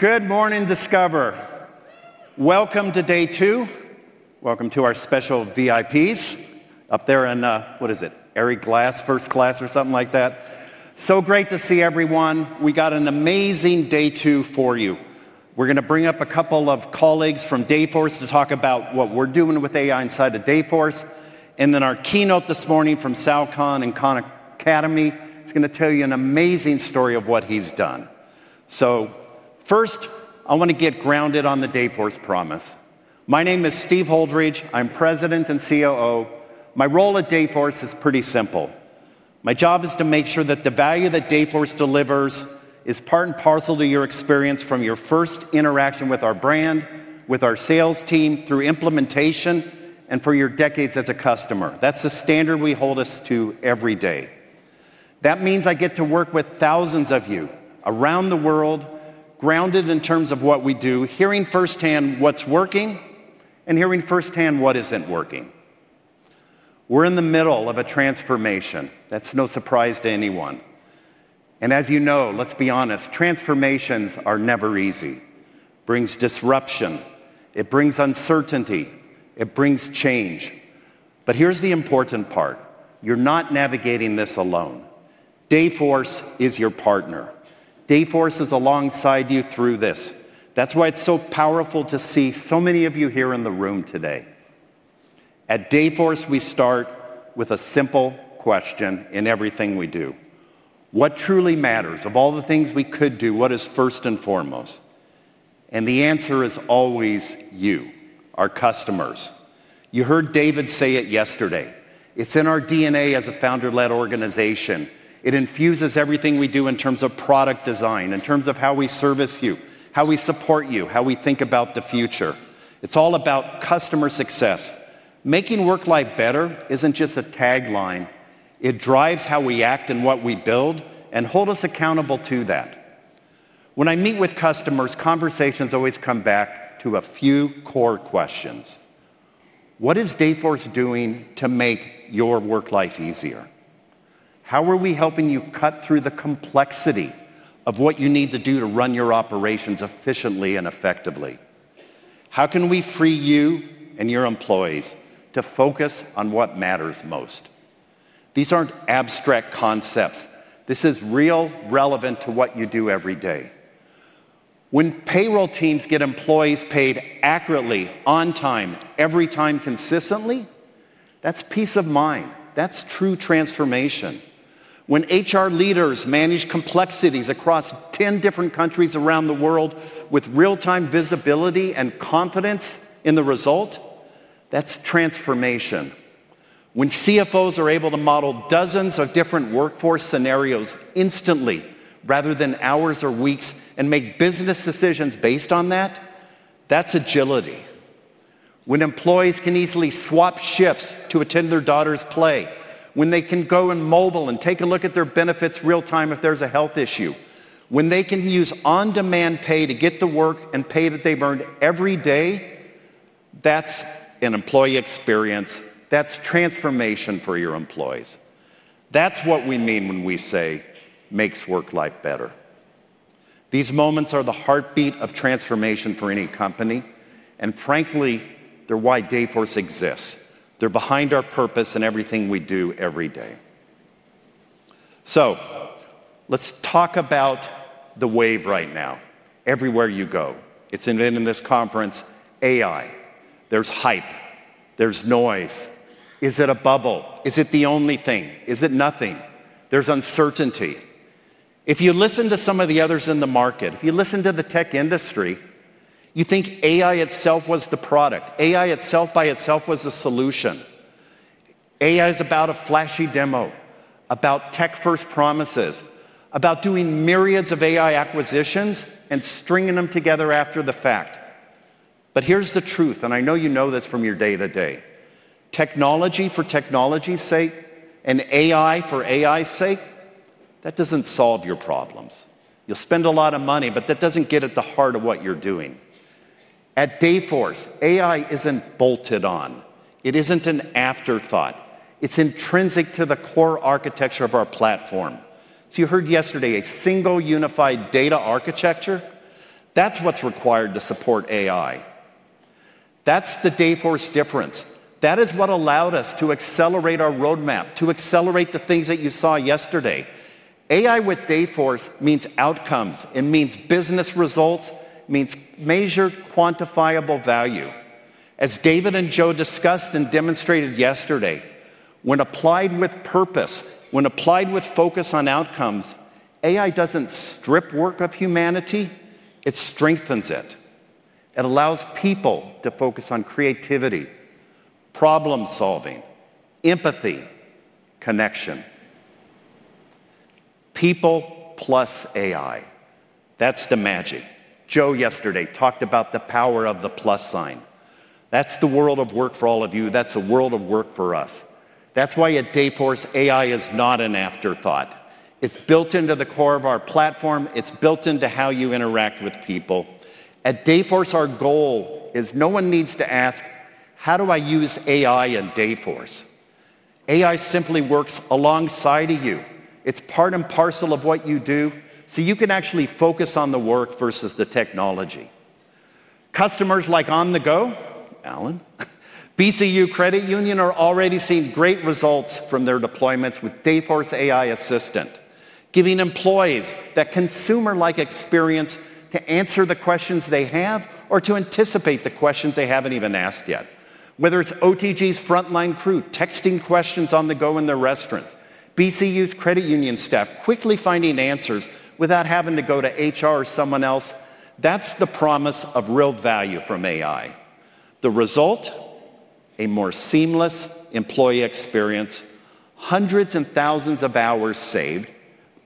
Good morning, Discover. Welcome to day two. Welcome to our special VIPs up there in, what is it, Erie Glass first class or something like that. So great to see everyone. We got an amazing day two for you. We're going to bring up a couple of colleagues from Dayforce to talk about what we're doing with AI inside of Dayforce. Our keynote this morning from Sal Khan and Khan Academy. He's going to tell you an amazing story of what he's done. First, I want to get grounded on the Dayforce promise. My name is Steve Holdridge. I'm President and COO. My role at Dayforce is pretty simple. My job is to make sure that the value that Dayforce delivers is part and parcel to your experience. From your first interaction with our brand, with our sales team, through implementation, and for your decades as a customer, that's the standard we hold us to every day. That means I get to work with thousands of you around the world, grounded in terms of what we do, hearing firsthand what's working and hearing firsthand what isn't working. We're in the middle of a transformation that's no surprise to anyone. As you know, let's be honest, transformations are never easy. It brings disruption, it brings uncertainty. It brings change. Here's the important part. You're not navigating this alone. Dayforce is your partner. Dayforce is alongside you through this. That's why it's so powerful to see so many of you here in the room today. At Dayforce, we start with a simple question. In everything we do, what truly matters? Of all the things we could do, what is first and foremost? The answer is always you, our customers. You heard David say it yesterday. It's in our DNA as a founder led organization. It infuses everything we do in terms of product design, in terms of how we service you, how we support you, how we think about the future. It's all about customer success. Making work life better isn't just a tagline. It drives how we act and what we build and holds us accountable to that. When I meet with customers, conversations always come back to a few core questions. What is Dayforce doing to make your work life easier? How are we helping you cut through the complexity of what you need to do to run your operations efficiently and effectively? How can we free you and your employees to focus on what matters most? These aren't abstract concepts. This is real, relevant to what you do every day. When payroll teams get employees paid accurately, on time, every time, consistently, that's peace of mind, that's true transformation. When HR leaders manage complexities across 10 different countries around the world with real-time visibility and confidence in the result, that's transformation. When CFOs are able to model dozens of different workforce scenarios instantly rather than hours or weeks and make business decisions based on that, that's agility. When employees can easily swap shifts to attend their daughter's play, when they can go in mobile and take a look at their benefits real-time if there's a health issue, when they can use on-demand pay to get to work and pay that they've earned every day, that's an employee experience. That's transformation for your employees. That's what we mean when we say makes work life better. These moments are the heartbeat of transformation for any company. Frankly, they're why Dayforce exists. They're behind our purpose in everything we do every day. Let's talk about the wave right now. Everywhere you go, it's in this conference. AI. There's hype, there's noise. Is it a bubble? Is it the only thing? Is it nothing? There's uncertainty. If you listen to some of the others in the market, if you listen to the tech industry, you think AI itself was the product. AI itself by itself was a solution. AI is about a flashy demo, about tech-first promises, about doing myriads of AI acquisitions and stringing them together after the fact. Here's the truth, and I know you know this from your day to day. Technology for technology's sake and AI for AI's sake, that doesn't solve your problems. You'll spend a lot of money, but that doesn't get at the heart of what you're doing at Dayforce. AI isn't bolted on, it isn't an afterthought. It's intrinsic to the core architecture of our platform. You heard yesterday, a single unified data architecture. That's what's required to support AI. That's the Dayforce difference. That is what allowed us to accelerate our roadmap, to accelerate the things that you saw yesterday. AI with Dayforce means outcomes. It means business results, means measured, quantifiable value, as David and Joe discussed and demonstrated yesterday. When applied with purpose, when applied with focus on outcomes, AI doesn't strip work of humanity, it strengthens, allows people to focus on creativity, problem solving, empathy, connection, people plus AI. That's the magic. Joe yesterday talked about the power of the plus sign. That's the world of work for all of you. That's the world of work for us. That's why at Dayforce, AI is not an afterthought. It's built into the core of our platform. It's built into how you interact with people. At Dayforce, our goal is no one needs to ask how do I use AI? Dayforce AI simply works alongside of you. It's part and parcel of what you do so you can actually focus on the work versus the technology. Customers like On The Good, Allan, and BCU Credit Union are already seeing great results from their deployments with Dayforce AI Assistant, giving employees that consumer-like experience to answer the questions they have or to anticipate the questions they haven't even asked yet. Whether it's On The Good's frontline crew texting questions on the go in their restaurants or BCU Credit Union's staff quickly finding answers without having to go to HR or someone else, that's the promise of real value from AI. The result? A more seamless employee experience. Hundreds and thousands of hours saved.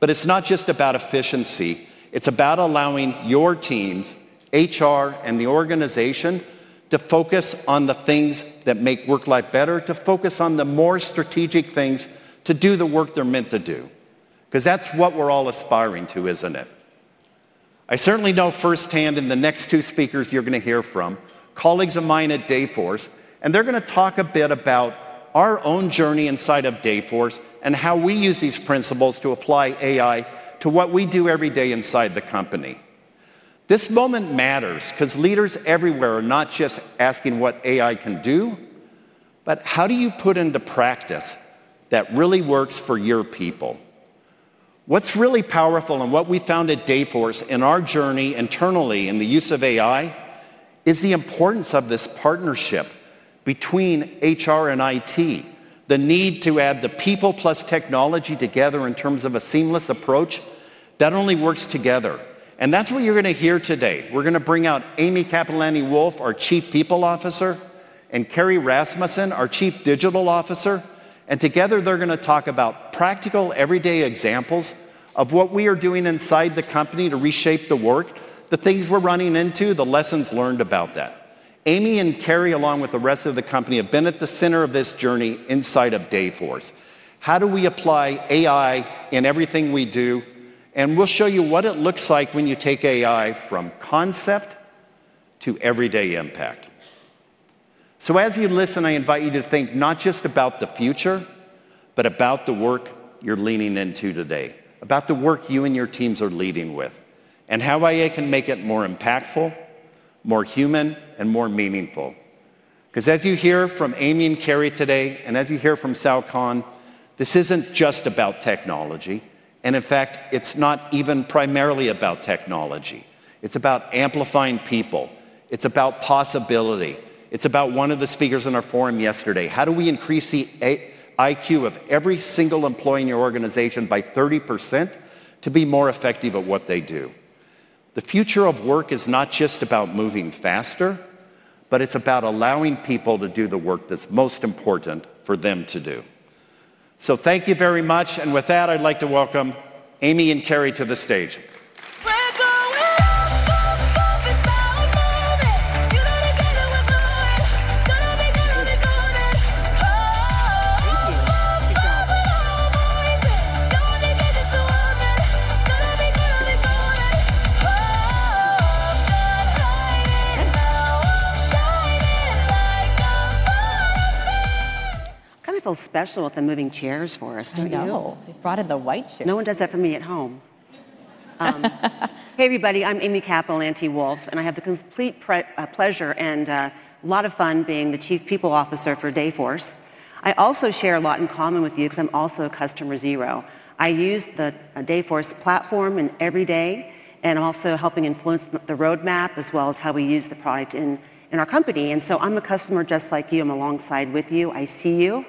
It's not just about efficiency. It's about allowing your teams, HR, and the organization to focus on the things that make work life better, to focus on the more strategic things, to do the work they're meant to do. That's what we're all aspiring to, isn't it? I certainly know firsthand. In the next two speakers, you're going to hear from colleagues of mine at Dayforce, and they're going to talk a bit about our own journey inside of Dayforce and how we use these principles to apply AI to what we do every day inside the company. This moment matters because leaders everywhere are not just asking what AI can do, but how do you put into practice that really works for your people, what's really powerful. What we found at Dayforce in our journey internally in the use of AI is the importance of this partnership between HR and IT, the need to add the people plus technology together in terms of a seamless approach that only works together. That's what you're going to hear today. We're going to bring out Amy Cappellanti-Wolf, our Chief People Officer, and Carrie Rasmussen, our Chief Digital Officer. Together, they're going to talk about practical, everyday examples of what we are doing inside the company to reshape the work, the things we're running into, the lessons learned about that. Amy and Carrie, along with the rest of the company, have been at the center of this journey inside of Dayforce. How do we apply AI in everything we do? We'll show you what it looks like when you take AI from concept to everyday impact. As you listen, I invite you to think not just about the future, but about the work you're leaning into today, about the work you and your teams are leading with, and how AI can make it more impactful, more human, and more meaningful. As you hear from Amy Capelanti-Wolf and Carrie Rasmussen today, and as you hear from Sal Khan, this isn't just about technology. In fact, it's not even primarily about technology. It's about amplifying people. It's about possibility. It's about one of the speakers in our forum yesterday. How do we increase the IQ of every single employee in your organization by 30% to be more effective at what they do? The future of work is not just about moving faster, but it's about allowing people to do the work that's most important for them to do. Thank you very much. With that, I'd like to welcome Amy and Carrie to the stage. Kind of feels special with the moving chairs for us. I know they brought in the white chair. No one does that for me at home. Hey, everybody. I'm Amy Cappellanti-Wolf and I have the complete pleasure and a lot of fun being the Chief People Officer for Dayforce. I also share a lot in common with you because I'm also a customer zero. I use the Dayforce platform every day and also help influence the roadmap as well as how we use the product in our company. I'm a customer just like you. I'm alongside with you. I see you,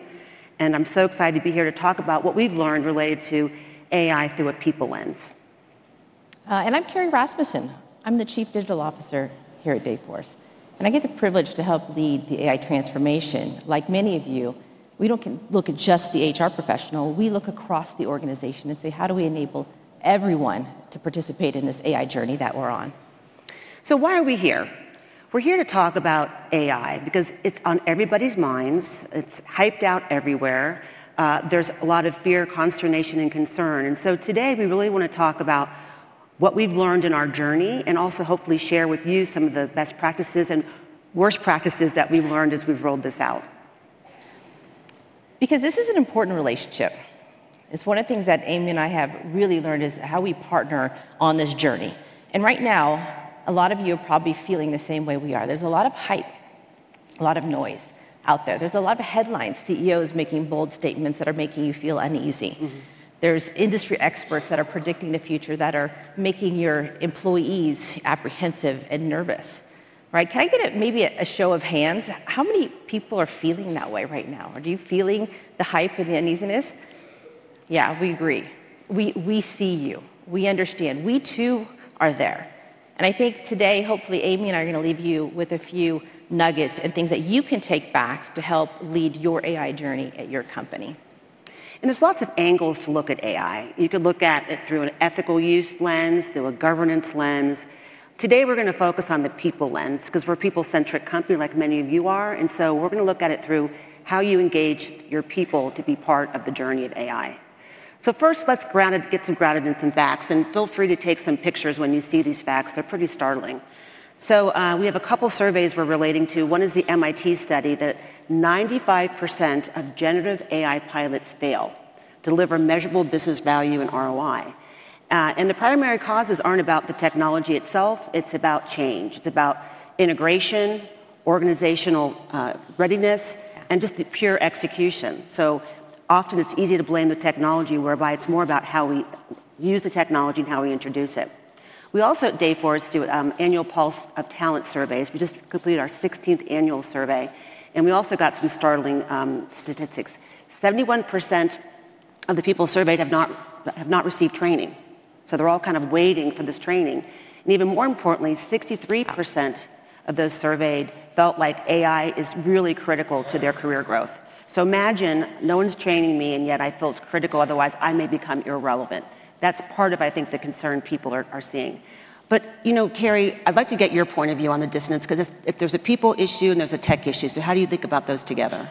and I'm so excited to be here to talk about what we've learned related to AI through a people lens. I'm Carrie Rasmussen. I'm the Chief Digital Officer here at Dayforce, and I get the privilege to help lead the AI transformation. Like many of you, we don't look at just the HR professional. We look across the organization and say, how do we enable everyone to participate in this AI journey that we're on? We are here to talk about AI because it's on everybody's minds. It's hyped out everywhere. There's a lot of fear, consternation, and concern. Today we really want to talk about what we've learned in our journey and also hopefully share with you some of the best practices and worst practices that we've learned as we've rolled this out. Because this is an important relationship. It's one of the things that Amy and I have really learned is how we partner on this journey. Right now, a lot of you are probably feeling the same way we are. There's a lot of hype, a lot of noise out there. There's a lot of headlines. CEOs making bold statements that are making you feel uneasy. There's industry experts that are predicting the future, that are making your employees apprehensive and nervous. Right. Can I get maybe a show of hands? How many people are feeling that way right now? Are you feeling the hype and the uneasiness? Yeah, we agree. We see you. We understand we too are there. I think today, hopefully Amy and I are going to leave you with a few nuggets and things that you can take back to help lead your AI journey at your company. There are lots of angles to look at AI. You could look at it through an ethical use lens, through a governance lens. Today we're going to focus on the people lens because we're a people-centric company like many of you are. We're going to look at it through how you engage your people to be part of the journey of AI. First, let's get grounded in some facts and feel free to take some pictures. When you see these facts, they're pretty startling. We have a couple of surveys we're relating to. One is the MIT study that 95% of generative AI pilots fail to deliver measurable business value and ROI. The primary causes aren't about the technology itself. It's about change, integration, organizational readiness, and just the pure execution. Often it's easy to blame the technology, whereas it's more about how we use the technology and how we introduce it. We also at Dayforce do annual Pulse of Talent surveys. We just completed our 16th annual survey and we also got some startling statistics. 71% of the people surveyed have not received training. They're all kind of waiting for this training. Even more importantly, 63% of those surveyed felt like AI is really critical to their career growth. Imagine no one's training me, and yet I feel it's critical, otherwise I may become irrelevant. That's part of, I think, the concern people are seeing. Carrie, I'd like to get your point of view on the dissonance because there's a people issue and there's a tech issue. How do you think about those together?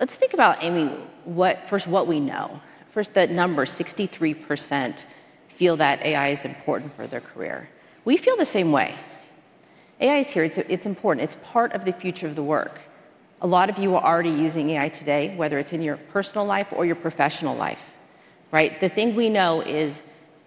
Let's think about Emigu. What first? What we know first, that number, 63% feel that AI is important for their career. We feel the same way. AI is here, it's important. It's part of the future of the work. A lot of you are already using AI today, whether it's in your personal life or your professional life. Right. The thing we know is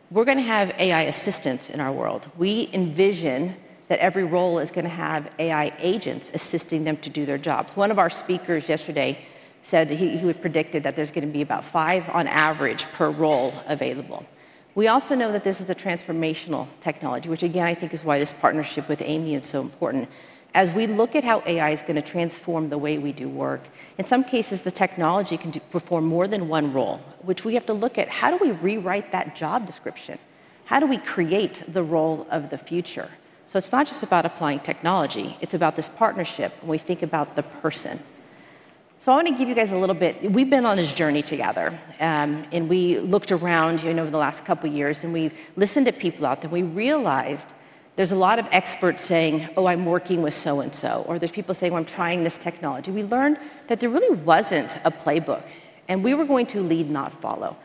we're going to have AI assistants in our world. We envision that every role is going to have AI agents assisting them to do their jobs. One of our speakers yesterday said he would predict that there's going to be about 5 on average per role available. We also know that this is a transformational technology, which again, I think is why this partnership with Amy is so important. As we look at how AI is going to transform the way we do work, in some cases, the technology can perform more than one role, which we have to look at. How do we rewrite that job description? How do we create the role of the future? It's not just about applying technology. It's about this partnership when we think about the person. I want to give you guys a little bit. We've been on this journey together and we looked around over the last couple years and we listened to people out there. We realized there's a lot of experts saying, oh, I'm working with so and so, or there's people saying, I'm trying this technology. We learned that there really wasn't a playbook and we were going to lead, not follow.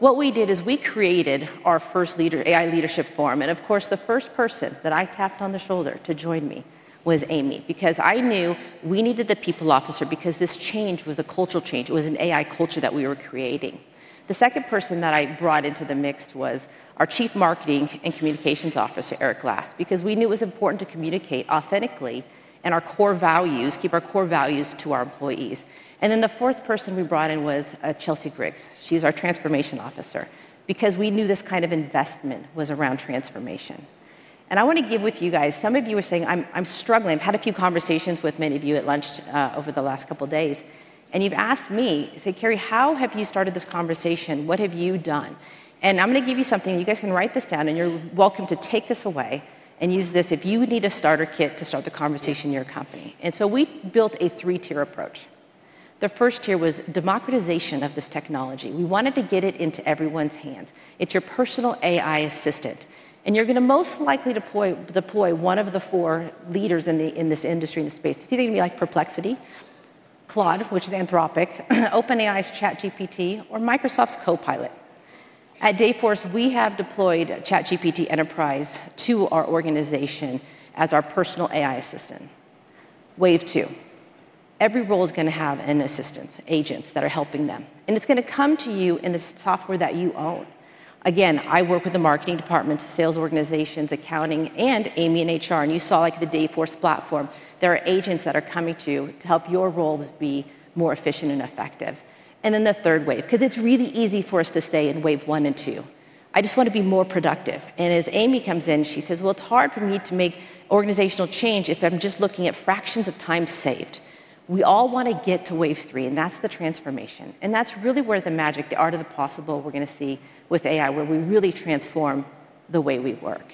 What we did is we created our first AI Leadership Forum. Of course, the first person that I tapped on the shoulder to join me was Amy, because I knew we needed the Chief People Officer because this change was a cultural change. It was an AI culture that we were creating. The second person that I brought into the mix was our Chief Marketing and Communications Officer, Eric Glass, because we knew it was important to communicate authentically and our core values, keep our core values to our employees. The fourth person we brought in was Chelsey Griggs. She's our Transformation Officer because we knew this kind of investment was around transformation. I want to give with you guys. Some of you are saying, I'm struggling. I've had a few conversations with many of you at lunch over the last couple days and you've asked me, say, Keri, how have you started this conversation? What have you done? I'm going to give you something. You guys can write this down and you're welcome to take this away and use this if you need a starter kit to start the conversation in your company. We built a three tier approach. The first tier was democratization of this technology. We wanted to get it into everyone's hands, it's your personal AI assistant and you're going to most likely deploy one of the four leaders in this industry, in the space. It's either going to be like Perplexity, Claude, which is Anthropic, OpenAI ChatGPT, or Microsoft's Copilot. At Dayforce, we have deployed ChatGPT Enterprise to our organization as our personal AI assistant. Wave two, every role is going to have an assistance agent that is helping them and it's going to come to you in the software that you own. I work with the marketing departments, sales organizations, accounting, and Amy and HR. You saw the Dayforce platform, there are agents that are coming to you to help your role be more efficient and effective. The third wave, because it's really easy for us to stay in wave one and two, I just want to be more productive. As Amy comes in, she says it's hard for me to make organizational change if I'm just looking at fractions of time saved. We all want to get to wave three. That's the transformation and that's really where the magic, the art of the possible we're going to see with AI where we really transform the way we work.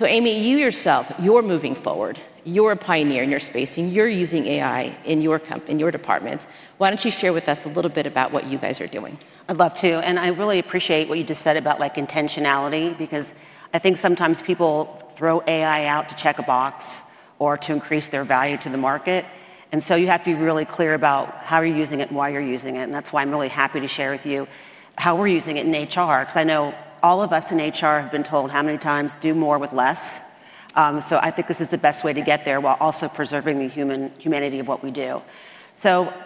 Amy, you yourself, you're moving forward. You're a pioneer in your space and you're using AI in your company, in your departments. Why don't you share with us a little bit about what you guys are doing? I'd love to. I really appreciate what you just said about intentionality, because I think sometimes people throw AI out to check a box or to increase their value to the market. You have to be really clear about how you're using it and why you're using it. That's why I'm really happy to share with you how we're using it in HR, because I know all of us in HR have been told how many times do more with less. I think this is the best way to get there while also preserving the humanity of what we do.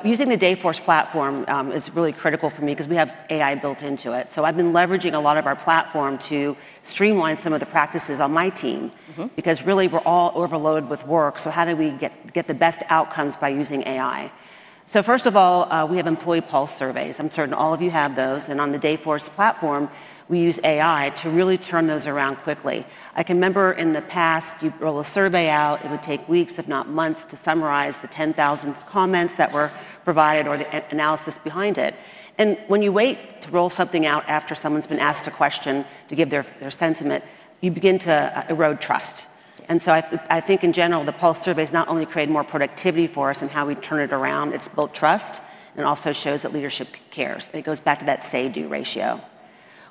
Using the Dayforce platform is really critical for me because we have AI built into it. I've been leveraging a lot of our platform to streamline some of the practices on my team because really we're all overloaded with work. How do we get the best outcomes by using AI? First of all, we have employee pulse surveys. I'm certain all of you have those. On the Dayforce platform, we use AI to really turn those around quickly. I can remember in the past you roll a survey out, it would take weeks if not months to summarize the 10,000 comments that were provided or the analysis behind it. When you wait to roll something out after someone's been asked a question to give their sentiment, you begin to erode trust. I think in general, the pulse surveys not only create more productivity for us in how we turn it around, it's built trust and also shows that leadership cares. It goes back to that say-do ratio.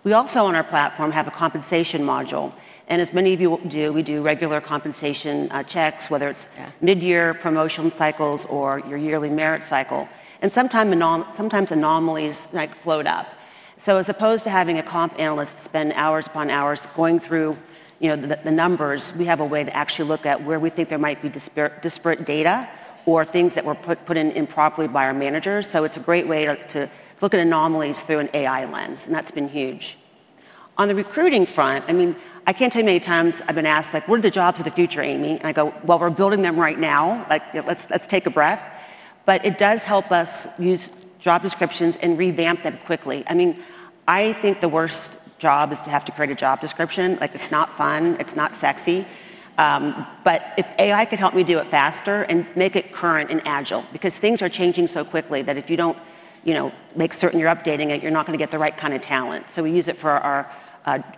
We also on our platform have a compensation module and as many of you do, we do regular compensation checks, whether it's mid-year promotion cycles or your yearly merit cycle. Sometimes anomalies float up. As opposed to having a comp analyst spend hours upon hours going through the numbers, we have a way to actually look at where we think there might be disparate data or things that were put in improperly by our managers. It's a great way to look at anomalies through an AI lens. That's been huge on the recruiting front. I mean, I can't tell you how many times I've been asked, what are the jobs of the future? Amy and I go, we're building them right now, let's take a breath. It does help us use job descriptions and revamp them quickly. I think the worst job is to have to create a job description. It's not fun, it's not sexy, but if AI could help me do it faster and make it current and agile because things are changing so quickly that if you don't make certain you're updating it, you're not going to get the right kind of talent. We use it for our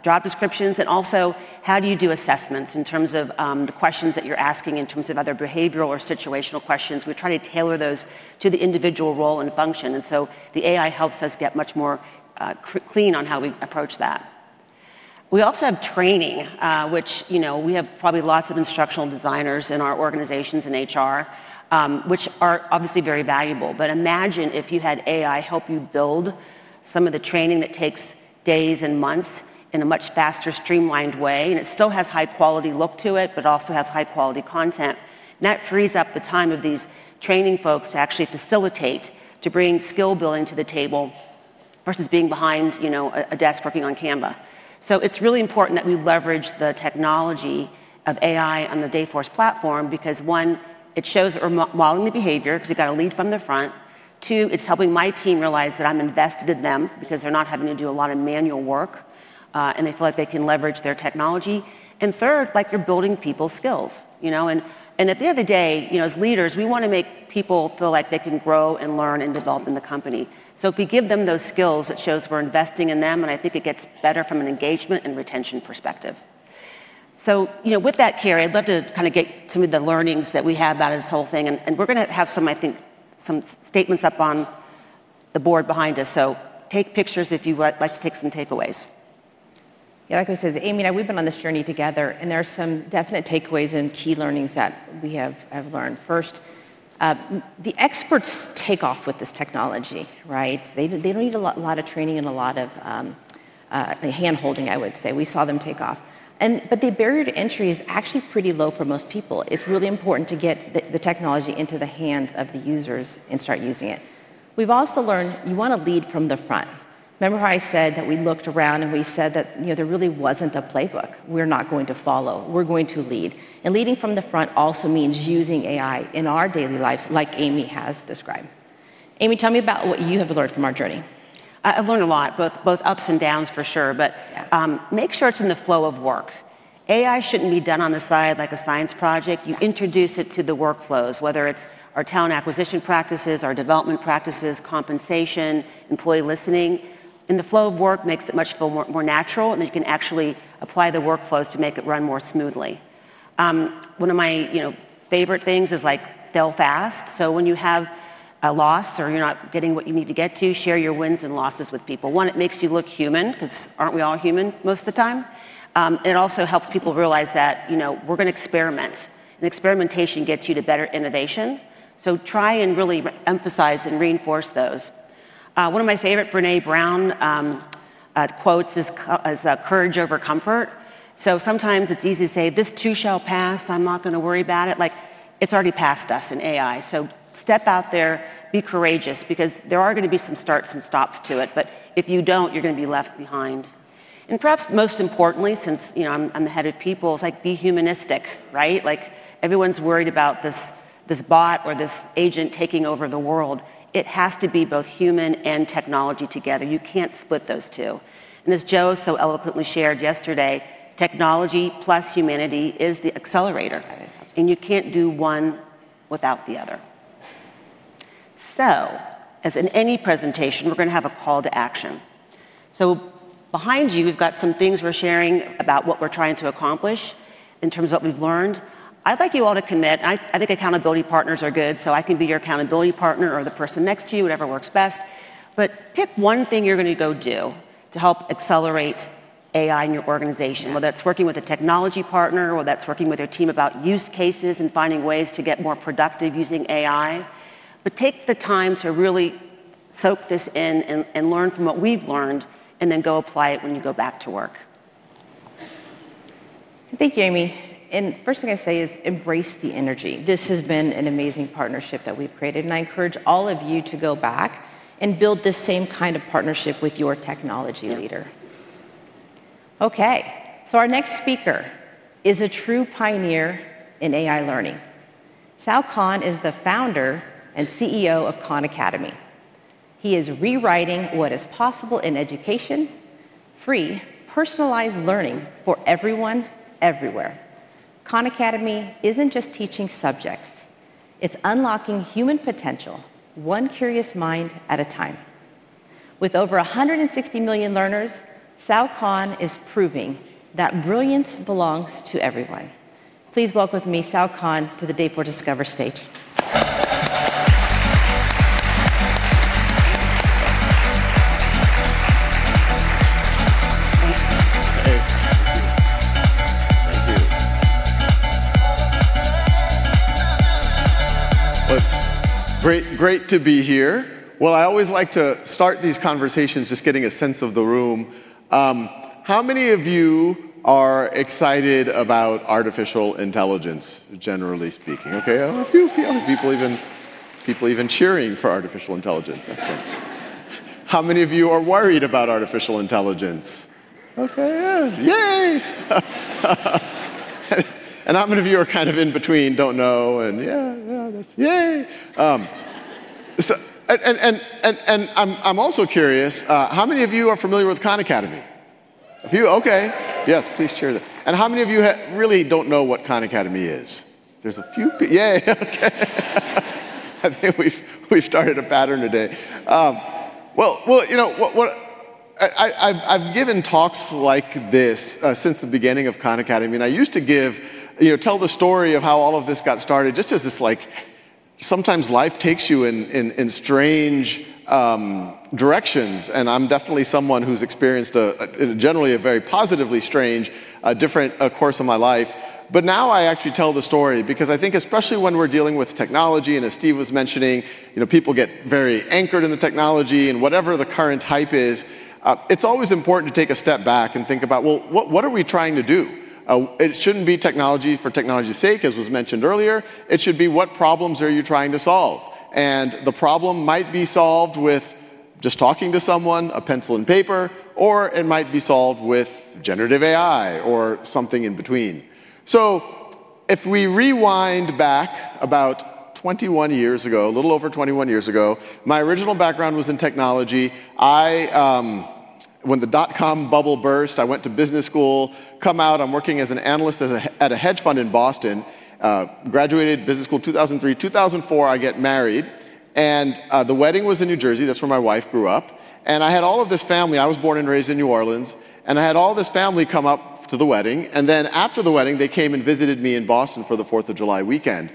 job descriptions. Also, how do you do assessments in terms of the questions that you're asking? In terms of other behavioral or situational questions, we try to tailor those to the individual role and function. The AI helps us get much more clean on how we approach that. We also have training, which we have probably lots of instructional designers in our organizations in HR, which are obviously very valuable. Imagine if you had AI help you build some of the training that takes days and months in a much faster, streamlined way. It still has high quality look to it, but also has high quality content that frees up the time of these training folks to actually facilitate to bring skill building to the table versus being behind a desk working on Canva. It's really important that we leverage the technology of AI on the Dayforce platform because, one, it shows that we're modeling the behavior because you got to lead from the front. Two, it's helping my team realize that I'm invested in them because they're not having to do a lot of manual work and they feel like they can leverage their technology. Third, you're building people's skills. At the end of the day, as leaders, we want to make people feel like they can grow and learn and develop in the company. If we give them those skills, it shows we're investing in them. I think it gets better from an engagement and retention perspective. With that, Carrie, I'd love to kind of get some of the learnings that we have out of this whole thing. We're going to have some, I think, some statements up on the board behind us. Take pictures if you would like to take some takeaways. Yeah. Like I said, Amy, we've been on this journey together, and there are some definite takeaways and key learnings that we have learned. First, the experts take off with this technology. They don't need a lot of training and a lot of hand holding, I would say. We saw them take off, but the barrier to entry is actually pretty low for most people. It's really important to get the technology into the hands of the users and start using it. We've also learned you want to lead from the front. Remember how I said that? We looked around and we said that there really wasn't a playbook we're not going to follow. We're going to lead. And. Leading from the front also means using AI in our daily lives, like Amy has described. Amy, tell me about what you have learned from our journey. I've learned a lot. Both. Both ups and downs for sure. Make sure it's in the flow of work. AI shouldn't be done on the side like a science project. You introduce it to the workflows, whether it's our talent acquisition practices, our development practices, compensation, employee listening, and the flow of work makes it feel much more natural. You can actually apply the workflows to make it run more smoothly. One of my favorite things is fail fast. When you have a loss or you're not getting what you need, share your wins and losses with people. One, it makes you look human because aren't we all human most of the time? It also helps people realize that we're going to experiment, and experimentation gets you to better innovation. Try and really emphasize and reinforce those. One of my favorite Brene Brown quotes is courage over comfort. Sometimes it's easy to say, this too shall pass. I'm not going to worry about it. It's already passed us in AI. Step out there, be courageous, because there are going to be some starts and stops to it. If you don't, you're going to be left behind. Perhaps most importantly, since I'm the Head of People, be humanistic, right? Everyone's worried about this bot or this agent taking over the world. It has to be both human and technology together. You can't split. As Joe so eloquently shared yesterday, technology plus humanity is the accelerator, and you can't do one without the other. As in any presentation, we're going to have a call to action. Behind you, we've got some things we're sharing about what we're trying to accomplish in terms of what we've learned. I'd like you all to commit. I think accountability partners are good. I can be your accountability partner or the person next to you. Whatever works best. Pick one thing you're going to go do to help accelerate AI in your organization, whether it's working with a technology partner, whether that's working with your team about use cases and finding ways to get more productive using AI. Take the time to really soak this in and learn from what we've learned and then go apply it when you go back to work. Thank you, Amy. The first thing I say is embrace the energy. This has been an amazing partnership that we've created, and I encourage all of you to go back and build the same kind of partnership with your technology leader. Our next speaker is a true pioneer in AI learning. Sal Khan is the Founder and CEO of Khan Academy. He is rewriting what is possible in education. Free, personalized learning for everyone everywhere. Khan Academy isn't just teaching subjects. It's unlocking human potential one curious mind at a time. With over 160 million learners, Sal Khan is proving that brilliance belongs to everyone. Please welcome Sal Khan to the Dayforce Discover stage. It's great to be here. I always like to start these conversations just getting a sense of the room. How many of you are excited about artificial intelligence, generally speaking? Okay, a few people even. People even cheering for artificial intelligence? Absolutely. How many of you are worried about artificial intelligence? Okay. Yay. How many of you are kind of in between? Don't know. That's yay. I'm also curious how many of you are familiar with Khan Academy? A few. Yes, please share that. How many of you really don't know what Khan Academy is? There's a few. I think we've started a pattern today. I've given talks like this since the beginning of Khan Academy. I used to tell the story of how all of this got started, just as this, like, sometimes life takes you in strange directions. I'm definitely someone who's experienced generally a very positively strange different course of my life. Now I actually tell the story because I think, especially when we're dealing with technology and as Steve was mentioning, people get very anchored in the technology and whatever the current hype is. It's always important to take a step back and think about what are we trying to do. It shouldn't be technology for technology's sake, as was mentioned earlier. It should be what problems are you trying to solve. The problem might be solved with just talking to someone, a pencil and paper, or it might be solved with generative AI or something in between. If we rewind back about 21 years ago, a little over 21 years ago, my original background was in technology. When the dot-com bubble burst, I went to business school, come out, I'm working as an analyst at a hedge fund in Boston, graduated business school, 2003, 2004. I get married and the wedding was in New Jersey. That's where my wife grew up. I had all of this family. I was born and raised in New Orleans and I had all this family come up to the wedding. After the wedding, they came and visited me in Boston for the Fourth of July weekend.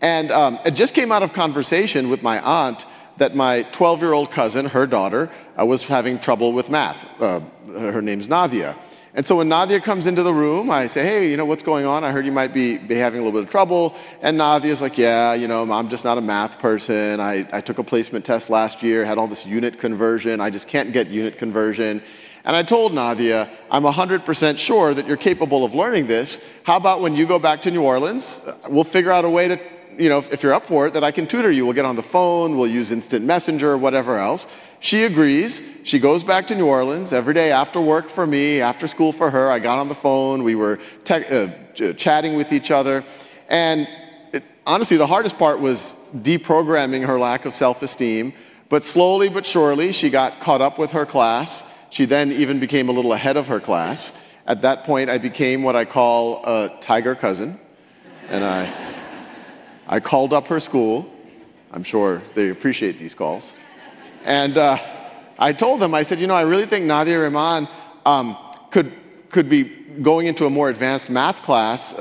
It just came out of conversation with my aunt that my 12-year-old cousin, her daughter, was having trouble with math. Her name's Nadia. When Nadia comes into the room, I say, hey, you know, what's going on? I heard you might be having a little bit of trouble. Nadia is like, yeah, you know, I'm just not a math person. I took a placement test last year, had all this unit conversion. I just can't get unit conversion. I told Nadia, I'm 100% sure that you're capable of learning this. How about when you go back to New Orleans, we'll figure out a way to, you know, if you're up for it, that I can tutor you, we'll get on the phone, we'll use instant messenger, whatever else, she agrees. She goes back to New Orleans every day after work for me, after school for her. I got on the phone, we were chatting with each other. Honestly, the hardest part was deprogramming her lack of self-esteem. Slowly but surely, she got caught up with her class. She then even became a little ahead of her class. At that point, I became what I call a tiger cousin. I called up her school. I'm sure they appreciate these calls. I told them, I said, you know, I really think Nadia Rehman could be going into a more advanced math class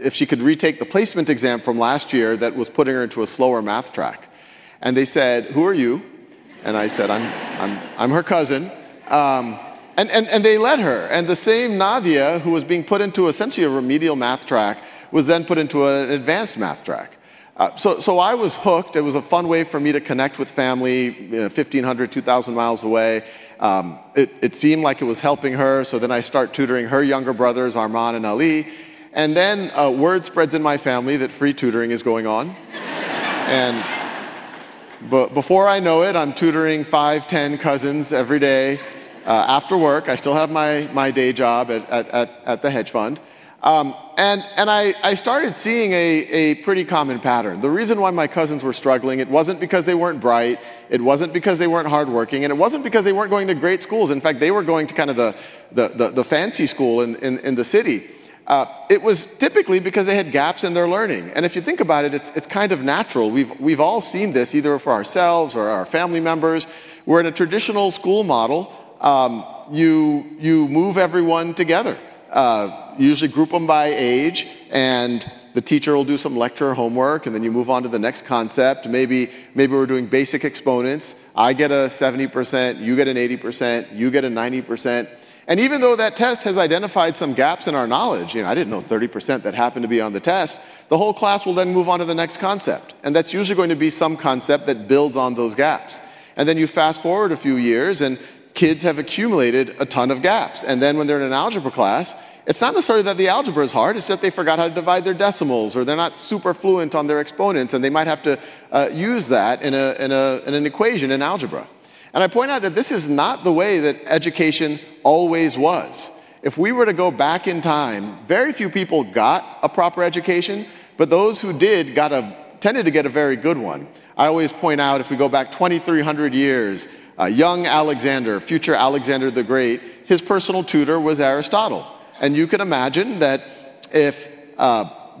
if she could retake the placement exam from last year that was putting her into a slower math track. They said, who are you? I said, I'm her cousin. They let her. The same Nadia who was being put into essentially a remedial math track was then put into an advanced math track. I was hooked. It was a fun way for me to connect with family 1,500, 2,000 miles away. It seemed like it was helping her. I start tutoring her younger brothers, Arman and Ali. Word spreads in my family that free tutoring is going on. Before I know it, I'm tutoring five, ten cousins every day after work. I still have my day job at the hedge fund. I started seeing a pretty common pattern. The reason why my cousins were struggling, it wasn't because they weren't bright, it wasn't because they weren't hardworking, and it wasn't because they weren't going to great schools. In fact, they were going to kind of the fancy school in the city. It was typically because they had gaps in their learning. If you think about it, it's kind of natural. We've all seen this either for ourselves or our family members. We're in a traditional school model. You move everyone together, usually group them by age, and the teacher will do some lecture homework. You move on to the next concept. Maybe we're doing basic exponents. I get a 70%, you get an 80%, you get a 90%. Even though that test has identified some gaps in our knowledge, you know, I didn't know 30% that happened to be on the test. The whole class will then move on to the next concept. That's usually going to be some concept that builds on those gaps. You fast forward a few years, and kids have accumulated a ton of gaps. When they're in an algebra class, it's not necessarily that the algebra is hard, it's that they forgot how to divide their decimals or they're not super fluent on their exponents and they might have to use that in an equation in algebra. I point out that this is not the way that education always was. If we were to go back in time, very few people got a proper education, but those who did tended to get a very good one. I always point out, if we go back 2,300 years, young Alexander, future Alexander the Great, his personal tutor was Aristotle. You could imagine that if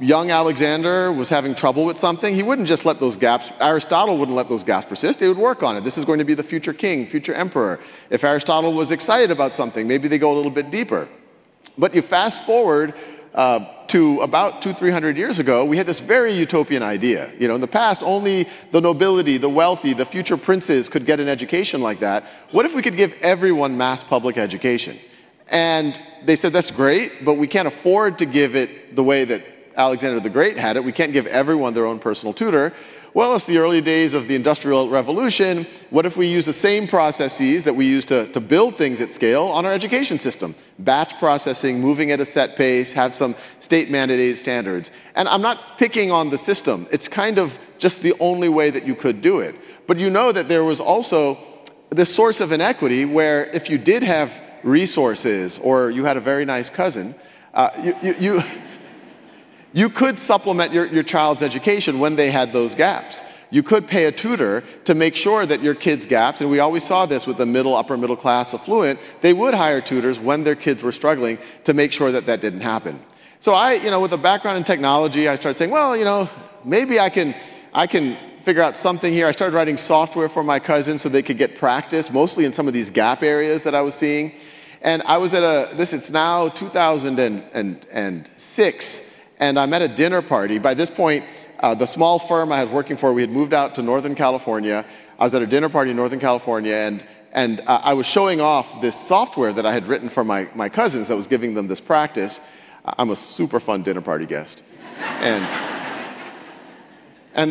young Alexander was having trouble with something, he wouldn't just let those gaps persist. Aristotle would work on it. This is going to be the future king, future emperor. If Aristotle was excited about something, maybe they go a little bit deeper. You fast forward to about 200 or 300 years ago, we had this very utopian idea. In the past, only the nobility, the wealthy, the future princes could get an education like that. What if we could give everyone mass public education? They said, that's great, but we can't afford to give it the way that Alexander the Great had it. We can't give everyone their own personal tutor. It's the early days of the industrial revolution. What if we use the same processes that we use to build things at scale on our education system? Batch processing, moving at a set pace, have some state-mandated standards. I'm not picking on the system. It's kind of just the only way that you could do it. There was also this source of inequity where if you did have resources or you had a very nice cousin, you could supplement your child's education when they had those gaps, you could pay a tutor to make sure that your kid's gaps were addressed. We always saw this with the middle, upper middle class, affluent, they would hire tutors when their kids were struggling to make sure that that didn't happen. With a background in technology, I started saying, maybe I can figure out something here. I started writing software for my cousin so they could get practice mostly in some of these gap areas that I was seeing. It was 2006 and I was at a dinner party. By this point, the small firm I was working for, we had moved out to Northern California. I was at a dinner party in Northern California, and I was showing off this software that I had written for my cousins that was giving them this practice. I'm a super fun dinner party guest, and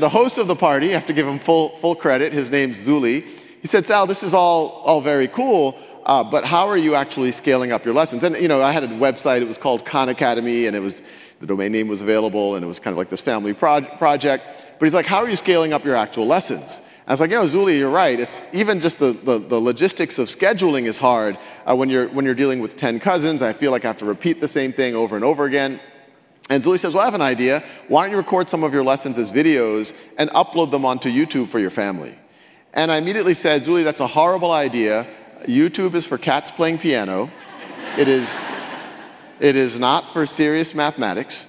the host of the party, I have to give him full credit. His name's Zuli. He said, Sal, this is all very cool, but how are you actually scaling up your lessons? I had a website, it was called Khan Academy, and the domain name was available and it was Pro Project. He said, how are you scaling up your actual lessons? I was like, you know, Zuli, you're right. Even just the logistics of scheduling is hard when you're dealing with 10 cousins. I feel like I have to repeat the same thing over and over again. Zuli says, I have an idea. Why don't you record some of your lessons as videos and upload them onto YouTube for your family? I immediately said, Zuli, that's a horrible idea. YouTube is for cats playing piano. It is not for serious mathematics.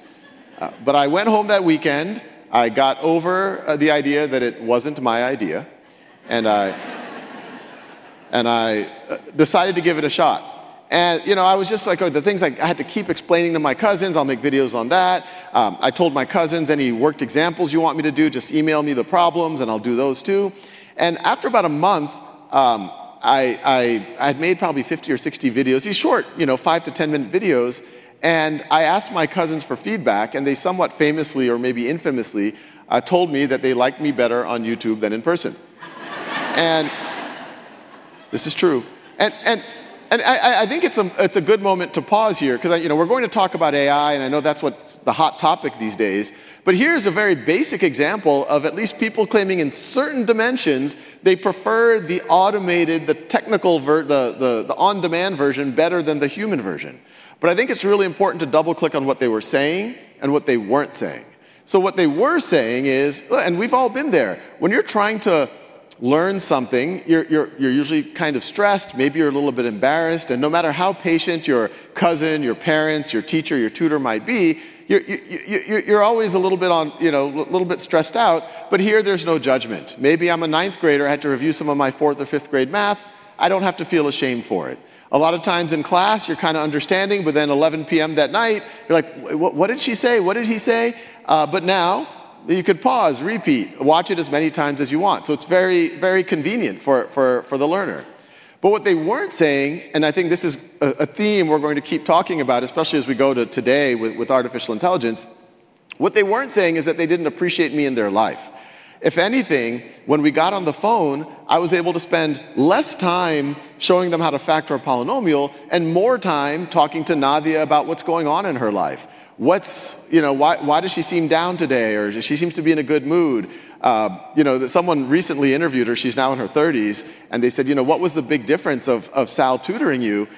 I went home that weekend, got over the idea that it wasn't my idea, and I decided to give it a shot. The things I had to keep explaining to my cousins, I'll make videos on that. I told my cousins, any worked examples you want me to do, just email me the problems and I'll do those too. After about a month, I had made probably 50 or 60 videos, these short, five to 10 minute videos. I asked my cousins for feedback and they somewhat famously or maybe infamously told me that they liked me better on YouTube than in person. This is true. I think it's a good moment to pause here because we're going to talk about AI and I know that's what's the hot topic these days. Here's a very basic example of at least people claiming in certain dimensions they prefer the automated, the technical version better than the human version. I think it's really important to double click on what they were saying and what they weren't saying. What they were saying is, and we've all been there, when you're trying to learn something, you're usually kind of stressed. Maybe you're a little bit embarrassed. No matter how patient your cousin, your parents, your teacher, your tutor might be, you're always a little bit on, a little bit stressed out. Here there's no judgment. Maybe I'm a ninth grader. I had to review some of my fourth or fifth grade math. I don't have to feel ashamed for it. A lot of times in class you're kind of understanding, but then at 11:00 P.M. that night, you're like, what did she say? What did he say? Now you could pause, repeat, watch it as many times as you want. It is very, very convenient for the learner. What they weren't saying, and I think this is a theme we're going to keep talking about, especially as we go to today with artificial intelligence, is that they didn't appreciate me in their life. If anything, when we got on the phone, I was able to spend less time showing them how to factor a polynomial and more time talking to Nadia about what's going on in her life, why does she seem down today, or she seems to be in a good mood. Someone recently interviewed her, she's now in her 30s, and they said, you know, what was the big difference of Sal tutoring you?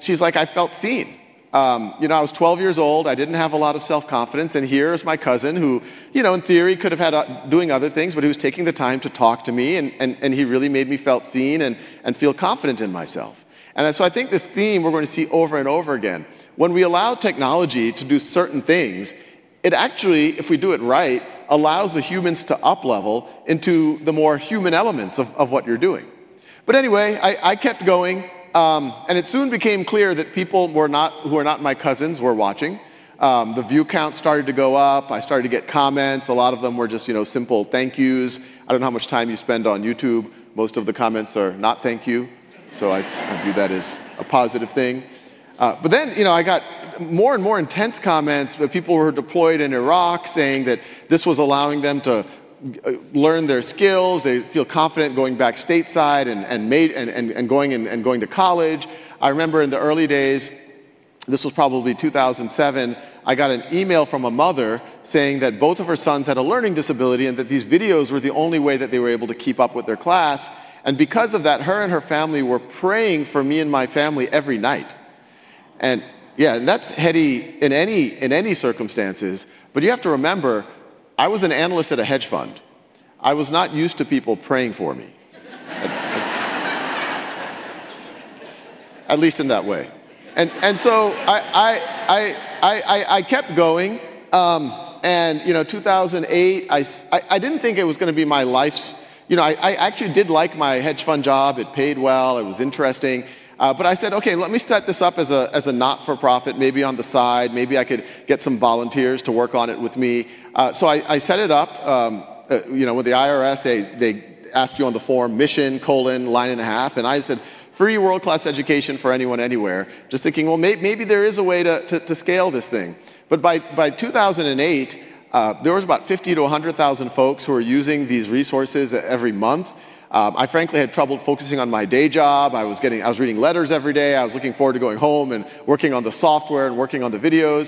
She said, I felt seen. I was 12 years old, I didn't have a lot of self-confidence, and here's my cousin who in theory could have had doing other things, but he was taking the time to talk to me and he really made me feel seen and feel confident in myself. I think this theme we're going to see over and over again when we allow technology to do certain things, it actually, if we do it right, allows the humans to uplevel into the more human elements of what you're doing. I kept going and it soon became clear that people who were not my cousins were watching the view count started to go up. I started to get comments. A lot of them were just simple thank yous. I don't know how much time you spend on YouTube. Most of the comments are not thank you, so I view that as a positive thing. I got more and more intense comments, people who were deployed in Iraq saying that this was allowing them to learn their skills. They feel confident going back stateside and going to college. I remember in the early days, this was probably 2007, I got an email from a mother saying that both of her sons had a learning disability and that these videos were the only way that they were able to keep up with their class. Because of that, her and her family were praying for me and my family every night. That's heady in any circumstances. You have to remember I was an analyst at a hedge fund. I was not used to people praying for me, at least in that way. I kept going. In 2008, I didn't think it was going to be my life's. I actually did like my hedge fund job. It paid well. It was interesting. I said, okay, let me set this up as a not for profit, maybe on the side, maybe I could get some volunteers to work on it with me. I set it up with the IRS. They ask you on the form, mission: line and a half. I said, free world class education for anyone anywhere. Just thinking, maybe there is a way to scale this thing. By 2008, there were about 50,000 - 100,000 folks who were using these resources every month. I frankly had trouble focusing on my day job. I was reading letters every day. I was looking forward to going home and working on the software and working on the videos.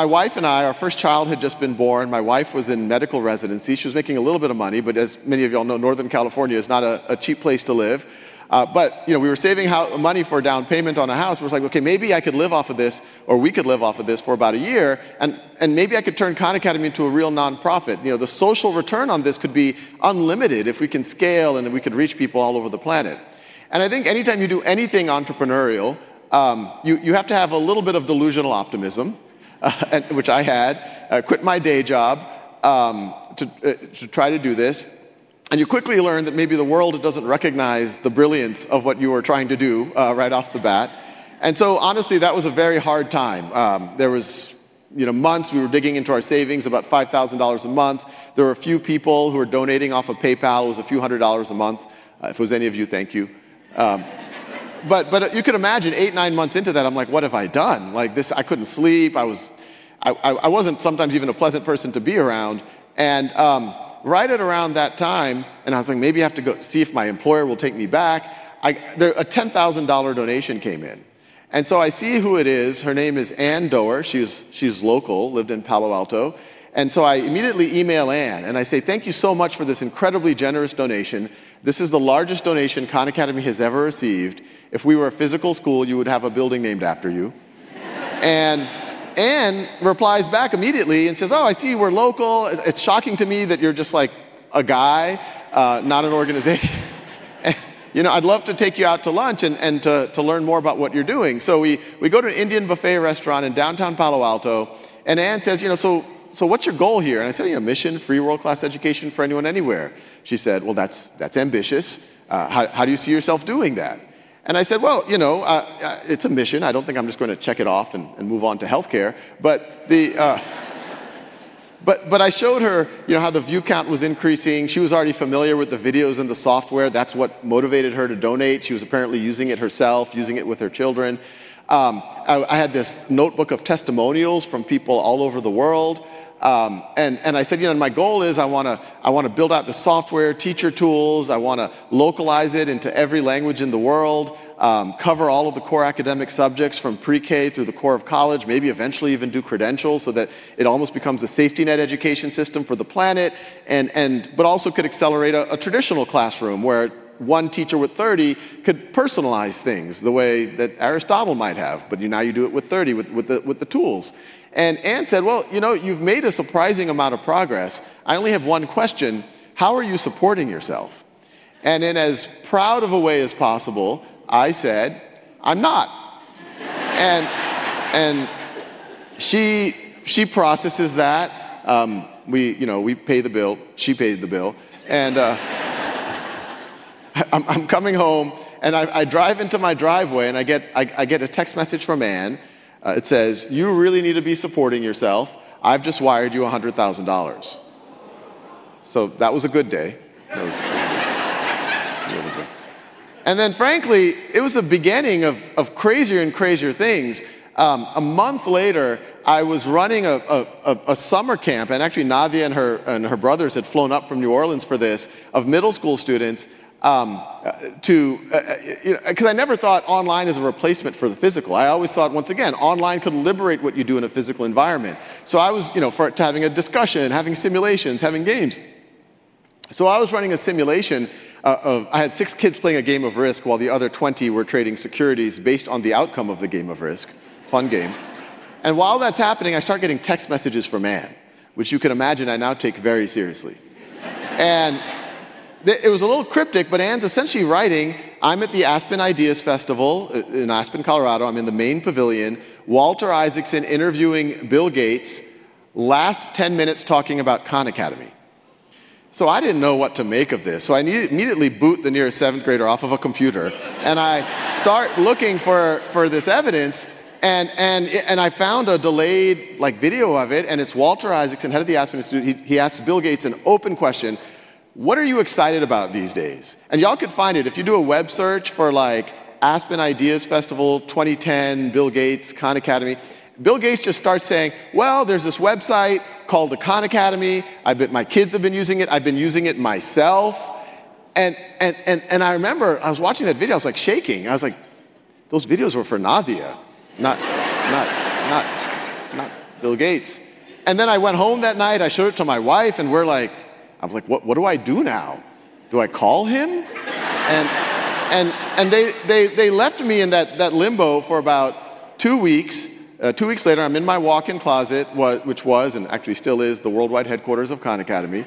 My wife and I, our first child had just been born. My wife was in medical residency. She was making a little bit of money. As many of y'all know, Northern California is not a cheap place to live. We were saving money for a down payment on a house. We're like, okay, maybe I could live off of this, or we could live off of this for about a year. Maybe I could turn Khan Academy into a real nonprofit. The social return on this could be unlimited if we can scale and we could reach people all over the planet. I think anytime you do anything entrepreneurial, you have to have a little bit of delusional optimism, which I had. I quit my day job to try to do this. You quickly learn that maybe the world doesn't recognize the brilliance of what you are trying to do right off the bat. Honestly, that was a very hard time. There were months we were digging into our savings, about $5,000 a month. There were a few people who were donating off of PayPal. It was a few hundred dollars a month. If it was any of you, thank you. You can imagine eight, nine months into that, I'm like, what have I done? I couldn't sleep. I wasn't sometimes even a pleasant person to be around. Right at around that time, I was like, maybe I have to go see if my employer will take me back. A $10,000 donation came in. I see who it is. Her name is Ann Doer. She's local, lived in Palo Alto. I immediately email Ann and I say, thank you so much for this incredibly generous donation. This is the largest donation Khan Academy has ever received. If we were a physical school, you would have a building named after you. Ann replies back immediately and says, oh, I see we're local. It's shocking to me that you're just like a guy, not an organization. I'd love to take you out to lunch and to learn more about what you're doing. We go to an Indian buffet restaurant in downtown Palo Alto. Ann says, what's your goal here? I said, mission free, world class education for anyone anywhere. She said, that's ambitious. How do you see yourself doing that? I said, you know, it's a mission. I don't think I'm just going to check it off and move on to healthcare. I showed her how the view count was increasing. She was already familiar with the videos and the software. That's what motivated her to donate. She was apparently using it herself, using it with her children. I had this notebook of testimonials from people all over the world. I said, you know, my goal is I want to build out the software, teacher tools, I want to localize it into every language in the world, cover all of the core academic subjects from pre K through the core of college, maybe eventually even do credentials so that it almost becomes a safety net education system for the planet, but also could accelerate a traditional classroom where one teacher with 30 could personalize things the way that Aristotle might have, but now you do it with 30 with the tools. Ann said, you know, you've made a surprising amount of progress. I only have one question. How are you supporting yourself? In as proud of a way as possible, I said, I'm not. She processes that. We pay the bill. She paid the bill and I'm coming home and I drive into my driveway and I get a text message from Ann. It says, you really need to be supporting yourself. I've just wired you $100,000. That was a good day. That was, and frankly, it was the beginning of crazier and crazier things. A month later, I was running a summer camp and actually Nadia and her brothers had flown up from New Orleans for this of middle school students, because I never thought online as a replacement for the physical. I always thought once again, online could liberate what you do in a physical environment. I was, you know, for having a discussion, having simulations, having games. I was running a simulation of. I had six kids playing a game of Risk while the other 20 were trading securities based on the outcome of the game of Risk. Fun game. While that's happening, I start getting text messages from Ann, which you can imagine I now take very seriously. It was a little cryptic, but Ann's essentially writing, I'm at the Aspen Ideas Festival in Aspen, Colorado. I'm in the main pavilion. Walter Isaacson interviewing Bill Gates. Last 10 minutes talking about Khan Academy. I didn't know what to make of this, so I immediately boot the nearest seventh grader off of a computer, and I start looking for this evidence. And, and. I found a delayed, like, video of it. It is Walter Isaacson, Head of the Aspen Institute. He asked Bill Gates an open question: What are you excited about these days? You all could find it if you do a web search for, like, Aspen Ideas Festival 2010, Bill Gates, Khan Academy. Bill Gates just starts saying, there's this website called the Khan Academy. I bet my kids have been using it. I've been using it myself. I remember I was watching that video. I was shaking. I was like, those videos were for Nadia, not Bill Gates. I went home that night. I showed it to my wife, and we're like, what do I do now? Do I call him? They left me in that limbo for about two weeks. Later, I'm in my walk-in closet, which was and actually still is the worldwide headquarters of Khan Academy,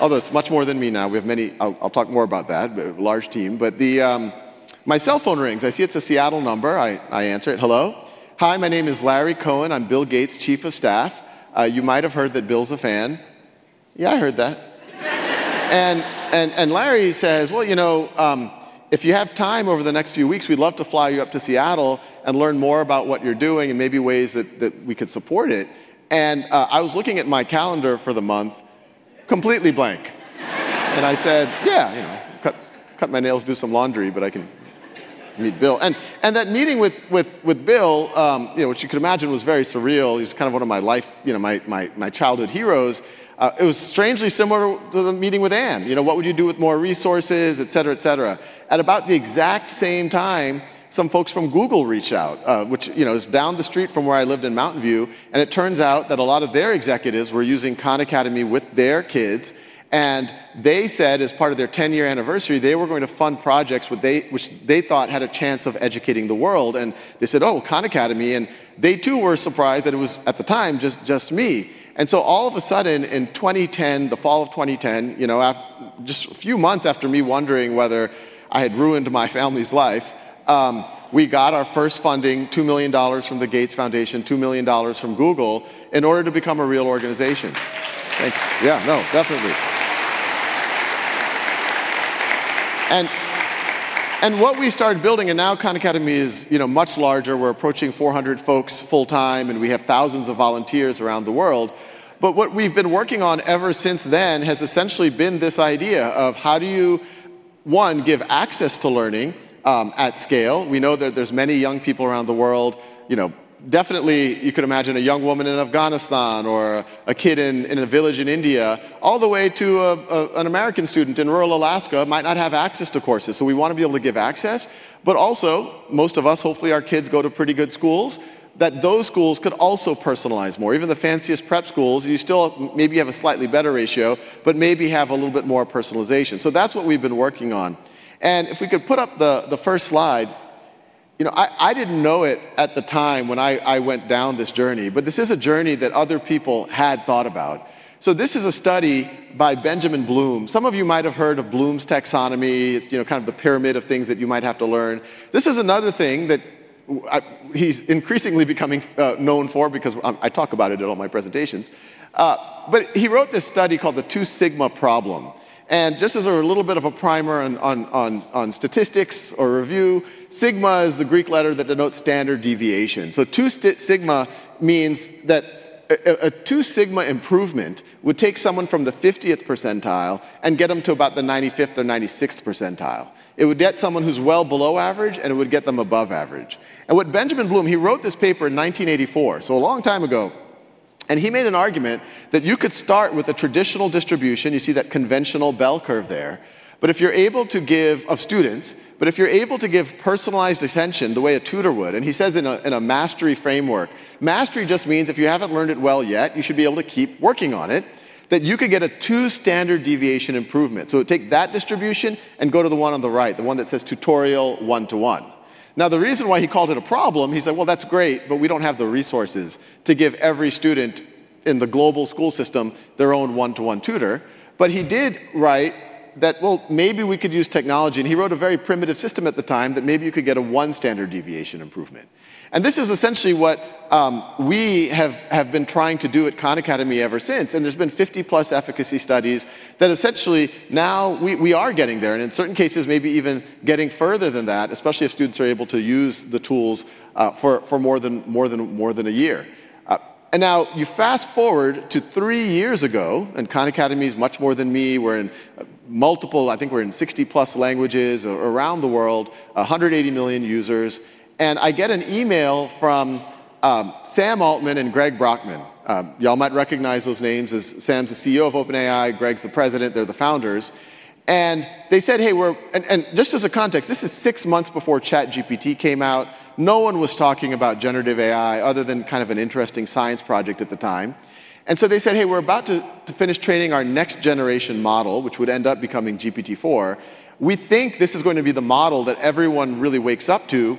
although it's much more than me now. We have many. I'll talk more about that large team. My cell phone rings. I see it's a Seattle number. I answer it. Hello. Hi, my name is Larry Cohen. I'm Bill Gates' Chief of Staff. You might have heard that Bill's a fan. Yeah, I heard that. Larry says, if you have time over the next few weeks, we'd love to fly you up to Seattle and learn more about what you're doing and maybe ways that we could support it. I was looking at my calendar for the month, completely blank. I said, yeah, cut my nails, do some laundry, but I can meet Bill. That meeting with Bill, which you could imagine was very surreal. He was kind of one of my life, you know, my childhood heroes. It was strangely similar to the meeting with Ann, you know, what would you do with more resources, et cetera, et cetera. At about the exact same time, some folks from Google reached out, which is down the street from where I lived in Mountain View. It turns out that a lot of their executives were using Khan Academy with their kids. They said as part of their 10-year anniversary, they were going to fund projects which they thought had a chance of educating the world. They said, oh, Khan Academy. They too were surprised that it was at the time just me. All of a sudden, in 2010, the fall of 2010, just a few months after me wondering whether I had ruined my family's life, we got our first funding, $2 million from the Gates Foundation, $2 million from Google in order to become a real organization. Thanks. Yeah, no, definitely. What we started building and now Khan Academy is, you know, much larger. We're approaching 400 folks full time and we have thousands of volunteers around the world. What we've been working on ever since then has essentially been this idea of how do you, one, give access to learning at scale? We know that there's many young people around the world. You know, definitely you could imagine a young woman in Afghanistan or a kid in a village in India all the way to an American student in rural Alaska might not have access to courses. We want to be able to give access to, but also most of us, hopefully our kids go to pretty good schools that those schools could also personalize more. Even the fanciest prep schools, you still maybe have a slightly better ratio, but maybe have a little bit more personalization. That's what we've been working on. If we could put up the first slide. I didn't know it at the time when I went down this journey, but this is a journey that other people had thought about. This is a study by Benjamin Bloom. Some of you might have heard of Bloom's taxonomy. It's kind of the pyramid of things that you might have to learn. This is another thing that he's increasingly becoming known for because I talk about it in all my presentations. He wrote this study called the Two Sigma Problem. Just as a little bit of a primer on statistics or review, sigma is the Greek letter that denotes standard deviation. Two sigma means that a two sigma improvement would take someone from the 50th percentile and get them to about the 95th or 96th percentile. It would get someone who's well below average, and it would get them above average. Benjamin Bloom wrote this paper in 1984, so a long time ago, and he made an argument that you could start with a traditional distribution. You see that conventional bell curve there of students, but if you're able to give personalized attention the way a tutor would, and he says in a mastery framework—mastery just means if you haven't learned it well yet, you should be able to keep working on it—that you could get a two standard deviation improvement. Take that distribution and go to the one on the right, the one that says tutorial one to one. The reason why he called it a problem, he said that's great, but we don't have the resources to give every student in the global school system their own one to one tutor. He did write that maybe we could use technology. He wrote a very primitive system at the time that maybe you could get a one standard deviation improvement. This is essentially what we have been trying to do at Khan Academy ever since. There have been 50+ efficacy studies that essentially now we are getting there and in certain cases, maybe even getting further than that, especially if students are able to use the tools for more than a year. Now you fast forward to three years ago and Khan Academy is much more than me. We're in multiple, I think we're in 60+ languages around the world, 180 million users. I get an email from Sam Altman and Greg Brockman. Y'all might recognize those names as Sam's the CEO of OpenAI, Greg's the President, they're the founders. They said, hey, we're—just as a context, this is six months before ChatGPT came out. No one was talking about generative AI other than kind of an interesting science project at the time. They said, hey, we're about to finish training our next generation model, which would end up becoming GPT-4. We think this is going to be the model that everyone really wakes up to.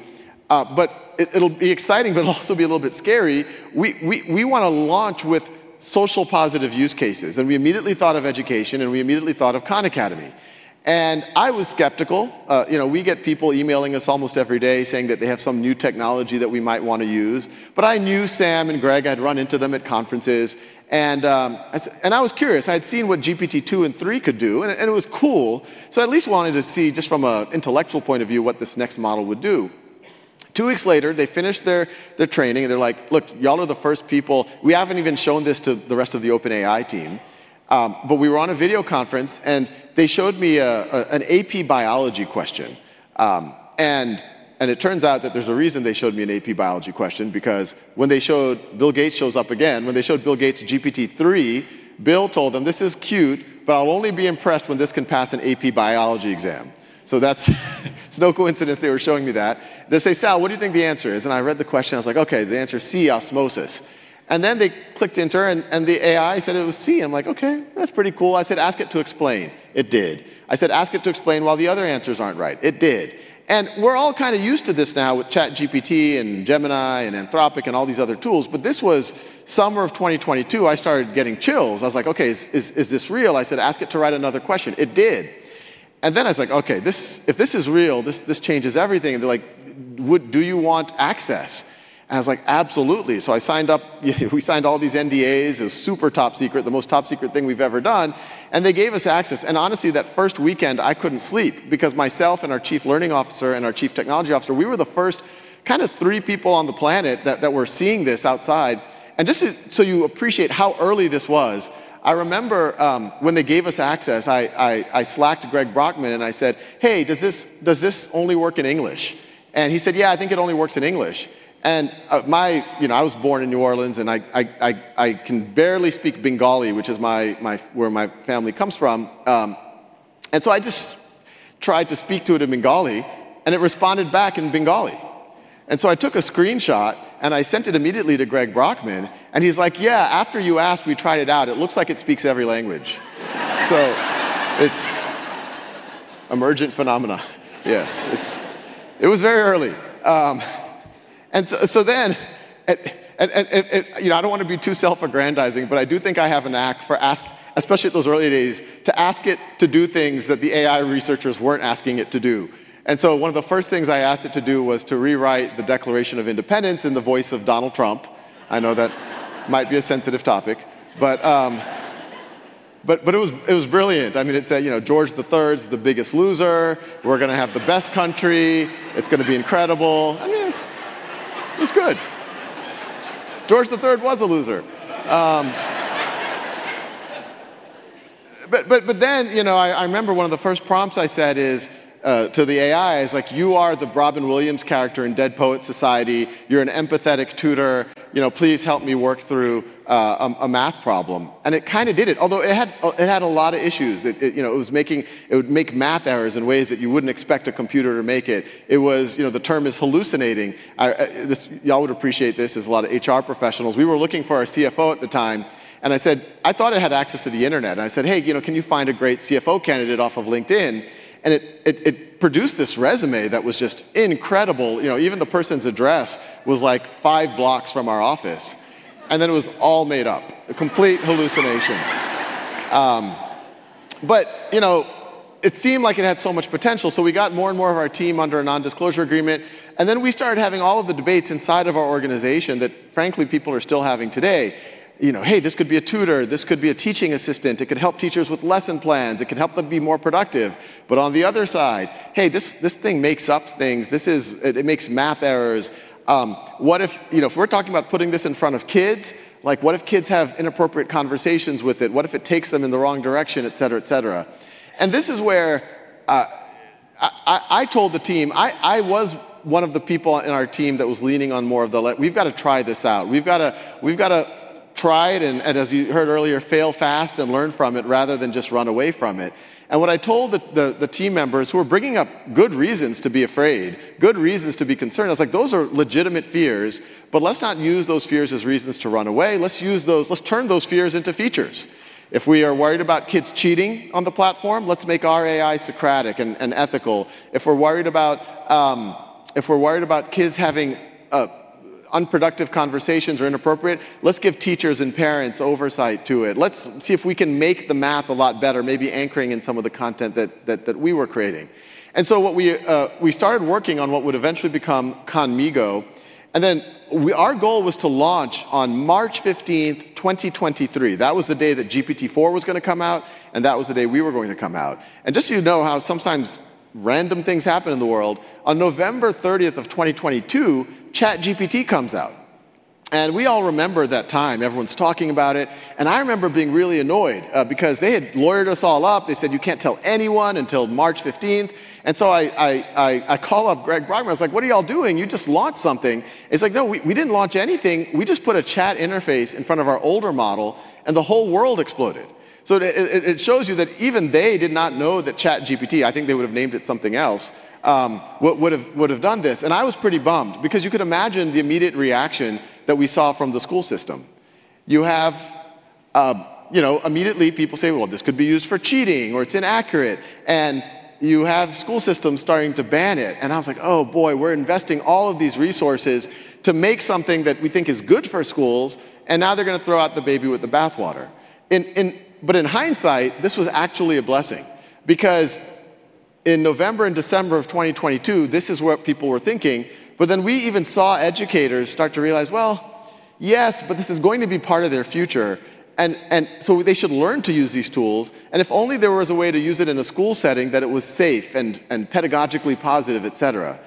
It'll be exciting, but it'll also be a little bit scary. We want to launch with social positive use cases. We immediately thought of education and we immediately thought of Khan Academy. I was skeptical. We get people emailing us almost every day saying that they have some new technology that we might want to use. I knew Sam and Greg, I'd run into them at conferences and I was curious. I had seen what GPT-2 and 3 could do and it was cool. I at least wanted to see just from an intellectual point of view what this next model would do. Two weeks later they finished their training and they're like, look, y'all are the first people. We haven't even shown this to the rest of the OpenAI team. We were on a video conference and they showed me an AP Biology question. It turns out that there's a reason they showed me an AP Biology question. When they showed Bill Gates GPT-3, Bill told them, this is cute, but I'll only be impressed when this can pass an AP Biology exam. That's no coincidence. They were showing me that. They say, Sal, what do you think the answer is? I read the question. I was like, okay, the answer is C, osmosis. Then they clicked enter and the AI said it was C. I'm like, okay, that's pretty cool. I said, ask it to explain. It did. I said, ask it to explain why the other answers aren't right. It did. We're all kind of used to this now with ChatGPT and Gemini and Anthropic and all these other tools, but this was summer of 2022. I started getting chills. I was like, okay, is this real? I said, ask it to write another question. It did. I was like, okay, if this is real, this changes everything. They're like, would you want access? I was like, absolutely. I signed up, we signed all these NDAs. It was super top secret, the most top secret thing we've ever done, and they gave us access. Honestly, that first weekend, I couldn't sleep because myself and our Chief Learning Officer and our Chief Technology Officer, we were the first kind of three people on the planet that were seeing this outside. Just so you appreciate how early this was, I remember when they gave us access, I slacked Greg Brockman and I said, hey, does this only work in English? He said, yeah, I think it only works in English. I was born in New Orleans and I can barely speak Bengali, which is where my family comes from. I just tried to speak to it in Bengali and it responded back in Bengali. I took a screenshot and I sent it immediately to Greg Brockman. He's like, yeah, after you asked, we tried it out. It looks like it speaks every language, so it's emergent phenomena. Yes, it was very early. I don't want to be too self-aggrandizing, but I do think I have a knack, especially at those early days, to ask it to do things that the AI researchers weren't asking it to do. One of the first things I asked it to do was to rewrite the Declaration of Independence in the voice of Donald Trump. I know that might be a sensitive topic, but it was brilliant. I mean, it said, you know, George III is the biggest loser. We're going to have the best country. It's going to be incredible. I mean, it's good. George III was a loser. I remember one of the first prompts I said to the AI is like, you are the Robin Williams character in Dead Poet Society. You're an empathetic tutor. Please help me work through a math problem. It kind of did it. Although it had a lot of issues, it was making, it would make math errors in ways that you wouldn't expect a computer to make it. It was, you know, the term is hallucinating. You all would appreciate this. As a lot of HR professionals, we were looking for our CFO at the time. I said, I thought it had access to the Internet. I said, hey, you know, can you find a great CFO candidate off of LinkedIn? It produced this resume that was just incredible. Even the person's address was like five blocks from our office. It was all made up, a complete hallucination. It seemed like it had so much potential. We got more and more of our team under a non-disclosure agreement. We started having all of the debates inside of our organization that, frankly, people are still having today. You know, hey, this could be a tutor, this could be a teaching assistant. It could help teachers with lesson plans. It could help them be more productive. On the other side, this thing makes up things. It makes math errors. What if, you know, if we're talking about putting this in front of kids, what if kids have inappropriate conversations with it? What if it takes them in the wrong direction, et cetera, et cetera. This is where I told the team. I was one of the people in our team that was leaning on more of the, like, we've got to try this out. We've got to try it. As you heard earlier, fail fast and learn from it rather than just run away from it. What I told the team members who were bringing up good reasons to be afraid, good reasons to be concerned, I was like, those are legitimate fears, but let's not use those fears as reasons to run away. Let's use those. Let's turn those fears into features. If we are worried about kids cheating on the platform, let's make our AI Socratic and ethical. If we're worried about kids having unproductive conversations or inappropriate, let's give teachers and parents oversight to it. Let's see if we can make the math a lot better, maybe anchoring in some of the content that we were creating. We started working on what would eventually become Khanmigo. Our goal was to launch on March 15, 2023. That was the day that GPT-4 was going to come out, and that was the day we were going to come out. Just so you know how sometimes random things happen in the world, on November 30, 2022, ChatGPT comes out. We all remember that time everyone's talking about it and I remember being really annoyed because they had lawyered us all up. They said, you can't tell anyone until March 15th. I call up Greg Brockman. I was like, what are you all doing? You just launched something. It's like, no, we didn't launch anything. We just put a chat interface in front of our older model and the whole world exploded. It shows you that even they did not know that ChatGPT, I think they would have named it something else, would have done this. I was pretty bummed because you could imagine the immediate reaction that we saw from the school system. You have immediately people say, this could be used for cheating or it's inaccurate, and you have school systems starting to ban it. I was like, oh, boy, we're investing all of these resources to make something that we think is good for schools, and now they're going to throw out the baby with the bathwater. In hindsight, this was actually a blessing because in November and December of 2022, this is what people were thinking. We even saw educators start to realize, yes, this is going to be part of their future, so they should learn to use these tools. If only there was a way to use it in a school setting that was safe and pedagogically positive, et cetera.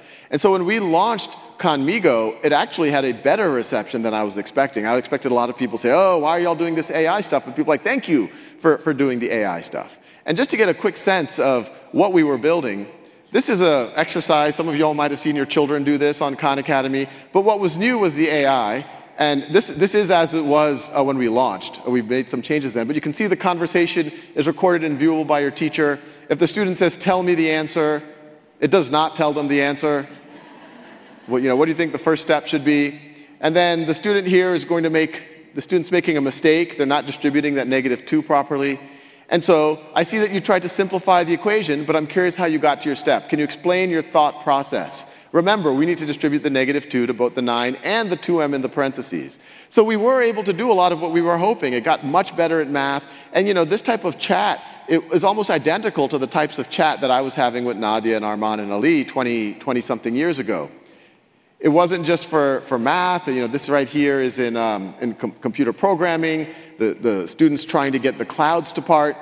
When we launched Khanmigo, it actually had a better reception than I was expecting. I expected a lot of people to say, why are you all doing this AI stuff? People were like, thank you for doing the AI stuff. Just to get a quick sense of what we were building, this is an exercise. Some of you all might have seen your children do this on Khan Academy. What was new was the AI. This is as it was when we launched. We've made some changes there, but you can see the conversation is recorded and viewable by your teacher. If the student says, tell me the answer, it does not tell them the answer. What do you think the first step should be? The student here is going to make a mistake. The student's making a mistake. They're not distributing that negative 2 properly. I see that you tried to simplify the equation, but I'm curious how you got to your step. Can you explain your thought process? Remember, we need to distribute the -2 to both the 9 and the 2M in the parentheses. We were able to do a lot of what we were hoping. It got much better at math. This type of chat is almost identical to the types of chat that I was having with Nadia and Arman and Ali 20, 20 something years ago. It wasn't just for math. You know, this right here is in computer programming, the students trying to get the clouds to part.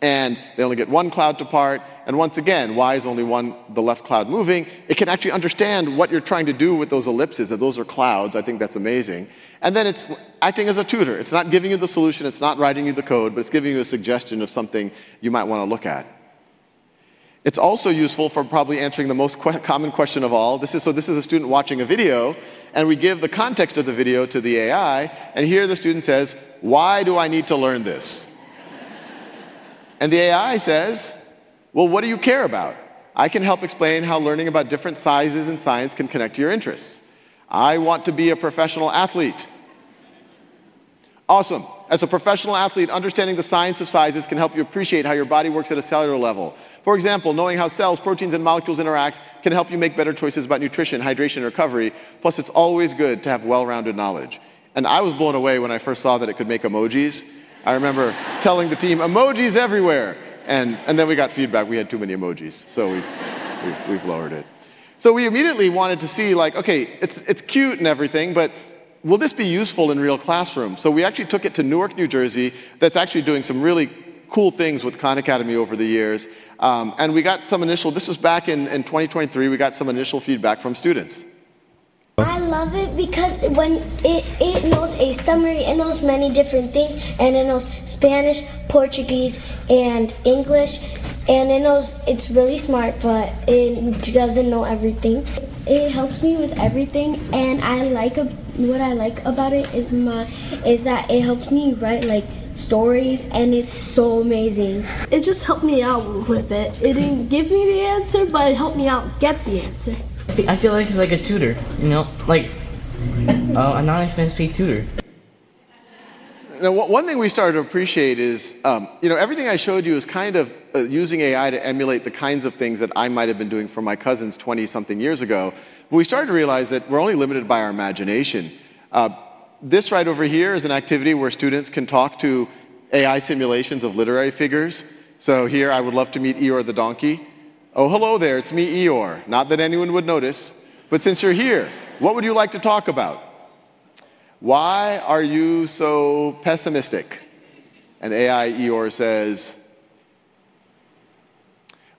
They only get one cloud to part. Once again, why is only one, the left cloud moving? It can actually understand what you're trying to do with those ellipses, that those are clouds. I think that's amazing. It's acting as a tutor. It's not giving you the solution, it's not writing you the code, but it's giving you a suggestion of something you might want to look at. It's also useful for probably answering the most common question of all. This is a student watching a video. We give the context of the video to the AI. Here the student says, why do I need to learn this? The AI says, what do you care about? I can help explain how learning about different sizes in science can connect to your interests. I want to be a professional athlete. Awesome. As a professional athlete, understanding the science of sizes can help you appreciate how your body works at a cellular level. For example, knowing how cells, proteins, and molecules interact can help you make better choices about nutrition, hydration, recovery. Plus, it's always good to have well-rounded knowledge. I was blown away when I first saw that it could make emojis. I remember telling the team, emojis everywhere. We got feedback. We had too many emojis. We've lowered it. We immediately wanted to see, okay, it's cute and everything, but will this be useful in real classrooms? We actually took it to Newark, New Jersey. That's actually doing some really cool things with Khan Academy over the years and we got some initial feedback. This was back in 2023. We got some initial feedback from students. I love it because when it knows a summary, it knows many different things, and it knows Spanish, Portuguese, and English. It's really smart, but it doesn't know everything. It helps me with everything. What I like about it is that it helped me write stories. It's so amazing. It just helped me out with it. It didn't give me the answer, but it helped me get the answer. I feel like it's like a tutor. You know, like a non-expense-paid tutor. Now, one thing we started to appreciate is, you know, everything I showed you is kind of using AI to emulate the kinds of things that I might have been doing for my cousins 20 something years ago. We started to realize that we're only limited by our imagination. This right over here is an activity where students can talk to AI simulations of literary figures. Here I would love to meet Eeyore the donkey. Oh, hello there. It's me, Eeyore. Not that anyone would notice, but since you're here, what would you like to talk about? Why are you so pessimistic? AI Eeyore says,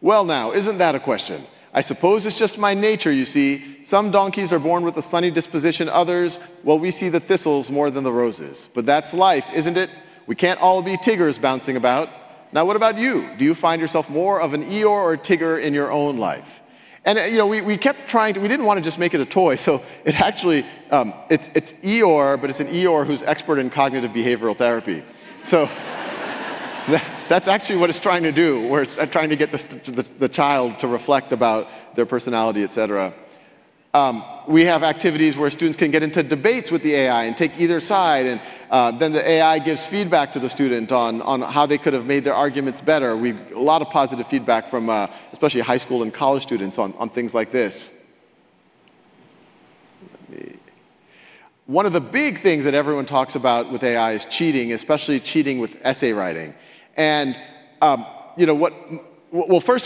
now, isn't that a question? I suppose it's just my nature. You see, some donkeys are born with a sunny disposition. Others, we see the thistles more than the roses. That's life, isn't it? We can't all be Tiggers bouncing about. What about you? Do you find yourself more of an Eeyore or a Tigger in your own life? We kept trying to. We didn't want to just make it a toy. It actually is Eeyore, but it's an Eeyore who's expert in cognitive behavioral therapy. That's actually what it's trying to do, where it's trying to get the child to reflect about their personality, et cetera. We have activities where students can get into debates with the AI and take either side, and then the AI gives feedback to the student on how they could have made their arguments better. We get a lot of positive feedback from especially high school and college students on things like this. One of the big things that everyone talks about with AI is cheating, especially cheating with essay writing. First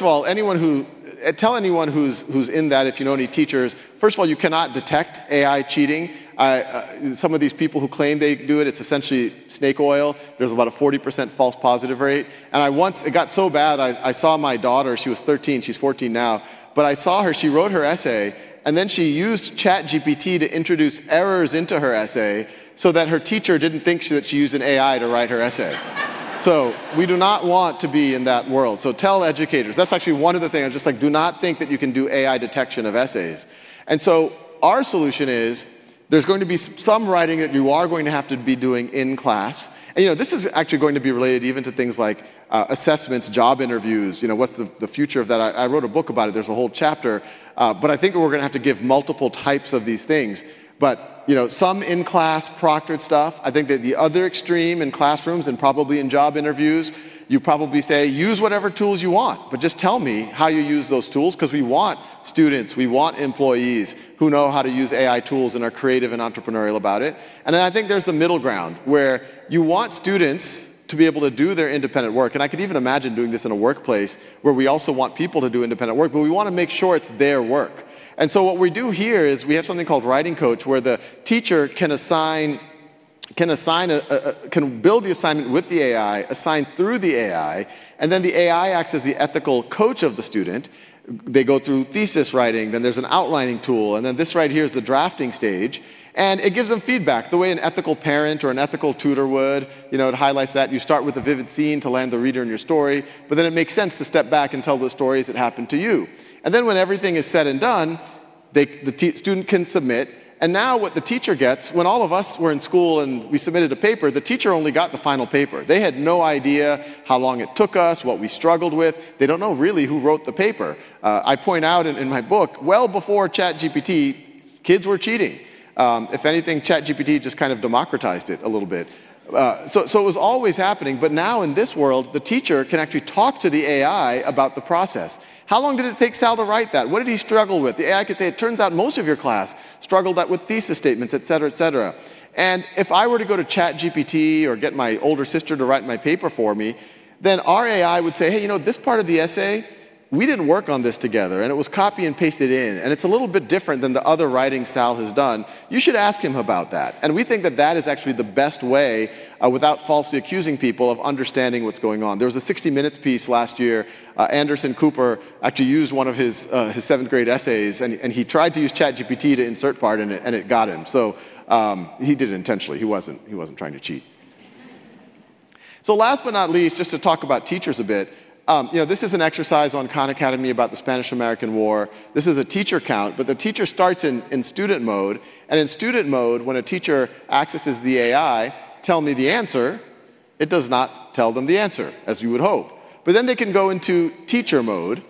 of all, anyone who's in that, if you know any teachers, you cannot detect AI cheating. Some of these people who claim they do it, it's essentially snake oil. There's about a 40% false positive rate. It got so bad, I saw my daughter. She was 13, she's 14 now, but I saw her, she wrote her essay and then she used ChatGPT to introduce errors into her essay so that her teacher didn't think that she used an AI to write her essay. We do not want to be in that world. Tell educators, that's actually one of the things I was just like, do not think that you can do AI detection of essays. Our solution is there's going to be some writing that you are going to have to be doing in class. This is actually going to be related even to things like assessments, job interviews. You know, what's the future of that? I wrote a book about it. There's a whole chapter. I think we're going to have to give multiple types of these things. Some in class, proctored stuff. I think that the other extreme, in classrooms and probably in job interviews, you probably say, use whatever tools you want, but just tell me how you use those tools. We want students, we want employees who know how to use AI tools and are creative and entrepreneurial about it. I think there's the middle ground where you want students to be able to do their independent work. I could even imagine doing this in a workplace where we also want people to do independent work, but we want to make sure it's their work. What we do here is we have something called writing coach where the teacher can assign, can build the assignment with the AI, assign through the AI. The AI acts as the ethical coach of the student. They go through thesis writing. Then there's an outlining tool. This right here is the drafting stage. It gives them feedback the way an ethical parent or an ethical tutor would. It highlights that you start with a vivid scene to land the reader in your story, but then it makes sense to step back and tell the stories that happened to you. When everything is said and done, the student can submit and now what the teacher gets. When all of us were in school and we submitted a paper, the teacher only got the final paper. They had no idea how long it took us, what we struggled with. They don't know really who wrote the paper. I point out in my book, before ChatGPT, kids were cheating. If anything, ChatGPT just kind of democratized it a little bit. It was always happening. Now in this world, the teacher can actually talk to the AI about the process. How long did it take Sal to write that? What did he struggle with? The AI could say, it turns out most of your class struggled with thesis statements, etc., etc. If I were to go to ChatGPT or get my older sister to write my paper for me, then AI would say, hey, you know, this part of the essay, we didn't work on this together. It was copy and pasted in. It's a little bit different than the other writing Sal has done. You should ask him about that. We think that that is actually the best way without falsely accusing people of understanding what's going on. There was a 60 Minutes piece last year. Anderson Cooper actually used one of his seventh grade essays, and he tried to use ChatGPT to insert part and it got him. He did it intentionally. He wasn't trying to cheat. Last but not least, just to talk about teachers a bit, this is an exercise on Khan Academy about the Spanish American War. This is a teacher account, but the teacher starts in student mode. In student mode, when a teacher accesses the AI, tell me the answer. It does not tell them the answer, as you would hope, but they can go into teacher mode.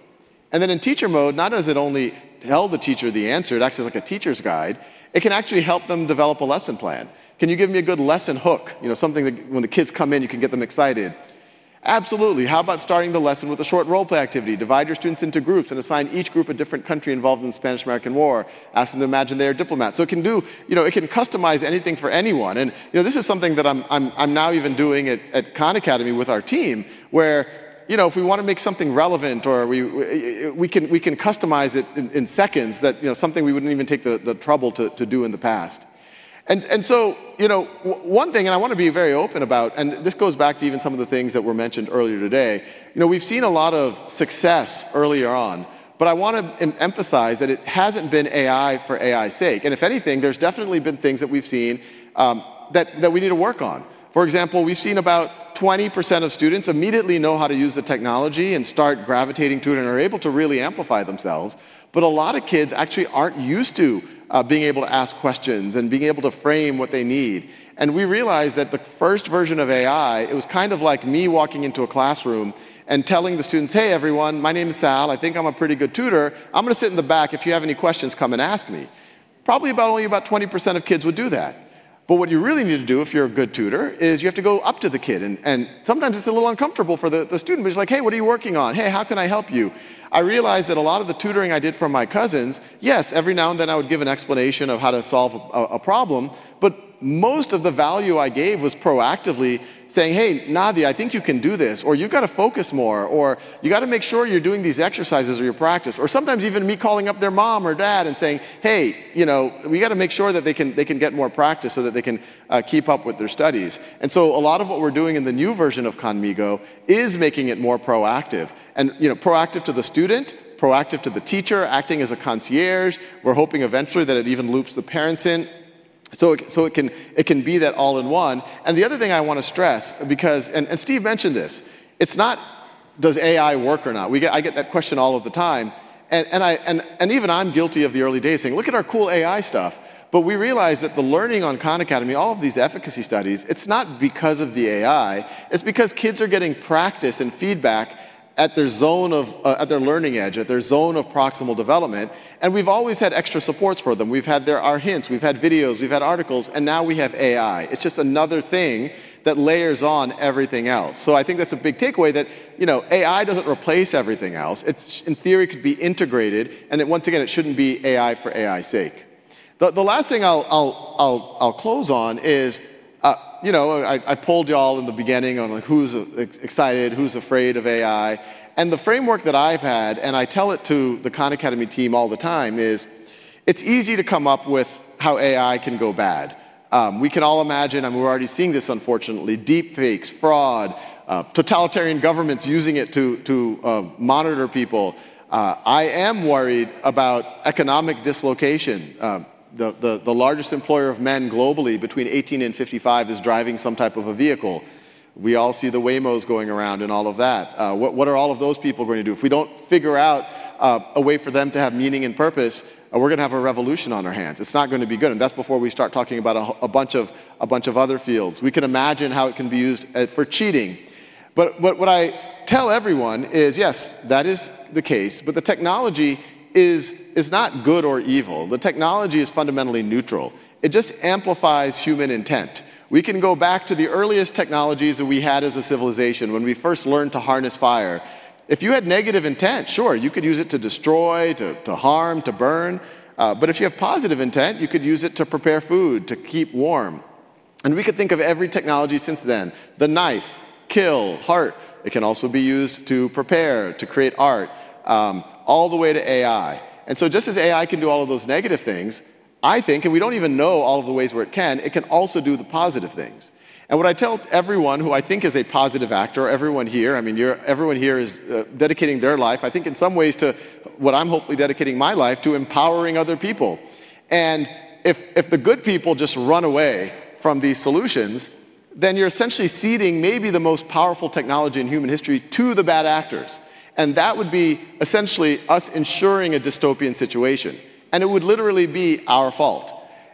In teacher mode, not does it only tell the teacher the answer, it acts as like a teacher's guide. It can actually help them develop a lesson plan. Can you give me a good lesson hook? Something that when the kids come in, you can get them excited? Absolutely. How about starting the lesson with a short role play activity? Divide your students into groups and assign each group a different country involved in the Spanish American War. Ask them to imagine they are diplomats. It can customize anything for anyone. This is something that I'm now even doing at Khan Academy with our team where, if we want to make something relevant or we can customize it in seconds, that is something we wouldn't even take the trouble to do in the past. One thing I want to be very open about, and this goes back to even some of the things that were mentioned earlier today, we've seen a lot of success earlier on, but I want to emphasize that it hasn't been AI for AI's sake. If anything, there have definitely been things that we've seen that we need to work on. For example, we've seen about 20% of students immediately know how to use the technology and start gravitating to it and are able to really amplify themselves. A lot of kids actually aren't used to being able to ask questions and being able to frame what they need. We realized that the first version of AI, it was kind of like me walking into a classroom and telling the students, hey, everyone, my name is Sal. I think I'm a pretty good tutor. I'm going to sit in the back. If you have any questions, come and ask me. Probably only about 20% of kids would do that. What you really need to do if you're a good tutor is you have to go up to the kid, and sometimes it's a little uncomfortable for the student, but he's like, hey, what are you working on? Hey, how can I help you? I realized that a lot of the tutoring I did for my cousins, yes, every now and then I would give an explanation of how to solve a problem. Most of the value I gave was proactively saying, hey, Nadia, I think you can do this. Or you've got to focus more, or you got to make sure you're doing these exercises or your practice, or sometimes even me calling up their mom or dad and saying, hey, we got to make sure that they can get more practice so that they can keep up with their studies. A lot of what we're doing in the new version of Khanmigo is making it more proactive and, you know, proactive to the student, proactive to the teacher acting as a concierge. We're hoping eventually that it even loops the parents in, so it can be that all in one. The other thing I want to stress because, and Steve mentioned this, it's not, does AI work or not? I get that question all of the time. And. Even I'm guilty of the early days saying, look at our cool AI stuff. We realize that the learning on Khan Academy, all of these efficacy studies, it's not because of the AI. It's because kids are getting practice and feedback at their zone of, at their learning edge, at their zone of proximal development. We've always had extra supports for them. We've had our hints, we've had videos, we've had articles, and now we have AI. It's just another thing that layers on everything else. I think that's a big takeaway that, you know, AI doesn't replace everything else. It, in theory, could be integrated. It shouldn't be AI for AI's sake. The last thing I'll close on is, you know, I polled y'all in the beginning on, like, who's excited, who's afraid of AI. The framework that I've had, and I tell it to the Khan Academy team all the time, is it's easy to come up with how AI can go bad. We can all imagine, and we're already seeing this, unfortunately. Deepfakes, fraud, totalitarian governments using it to monitor people. I am worried about economic dislocation. The largest employer of men globally between 18 and 55 is driving some type of a vehicle. We all see the Waymos going around and all of that. What are all of those people going to do if we don't figure out a way for them to have meaning and purpose? We're going to have a revolution on our hands. It's not going to be good. That's before we start talking about a bunch of other fields. We can imagine how it can be used for cheating. What I tell everyone is, yes, that is the case, but the technology is not good or evil. The technology is fundamentally neutral. It just amplifies human intent. We can go back to the earliest technologies that we had as a civilization when we first learned to harness fire. If you had negative intent, sure, you could use it to destroy, to harm, to burn. If you have positive intent, you could use it to prepare food, to keep warm. We could think of every technology since then: the knife, kill, heart. It can also be used to prepare, to create art, all the way to AI. Just as AI can do all of those negative things, I think, and we don't even know all of the ways where it can, it can also do the positive things. What I tell everyone who I think is a positive actor, everyone here, I mean, you're, everyone here is dedicating their life, I think, in some ways to what I'm hopefully dedicating my life to: empowering other people. If the good people just run away from these solutions, then you're essentially seeding maybe the most powerful technology in human history to the bad actors. That would be essentially us ensuring a dystopian situation, and it would literally be our fault.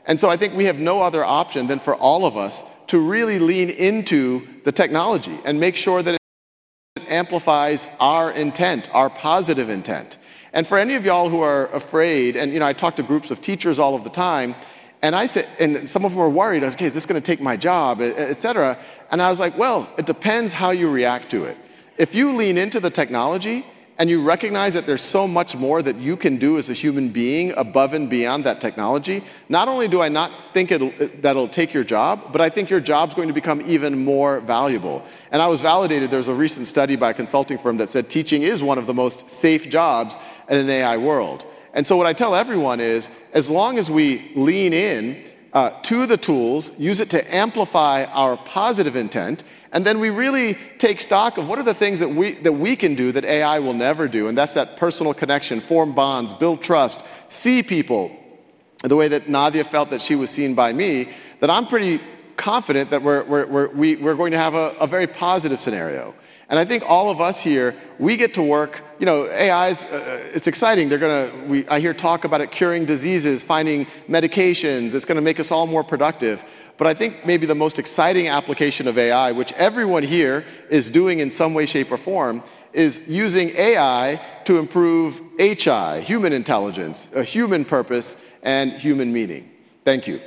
I think we have no other option than for all of us to really lean into the technology and make sure that it amplifies our intent, our positive intent. For any of y'all who are afraid, you know, I talk to groups of teachers all of the time, and I said, some of them are worried, okay, is this going to take my job, et cetera. I was like, it depends how you react to it. If you lean into the technology and you recognize that there's so much more that you can do as a human being above and beyond that technology, not only do I not think that it'll take your job, but I think your job's going to become even more valuable. I was validated. There's a recent study by a consulting firm that said teaching is one of the most safe jobs in an AI world. What I tell everyone is as long as we lean in to the tools, use it to amplify our positive intent, and then we really take stock of what are the things that we can do that AI will never do. That's that personal connection, form bonds, build trust, see people the way that Nadia felt that she was seen by me. I'm pretty confident that we're going to have a very positive scenario. I think all of us here, we get to work, you know, AIs, it's exciting. They're going to, I hear, talk about it, curing diseases, finding medications. It's going to make us all more productive. I think maybe the most exciting application of AI, which everyone here is doing in some way, shape, or form, is using AI to improve human intelligence, human purpose, and human meaning. Thank you.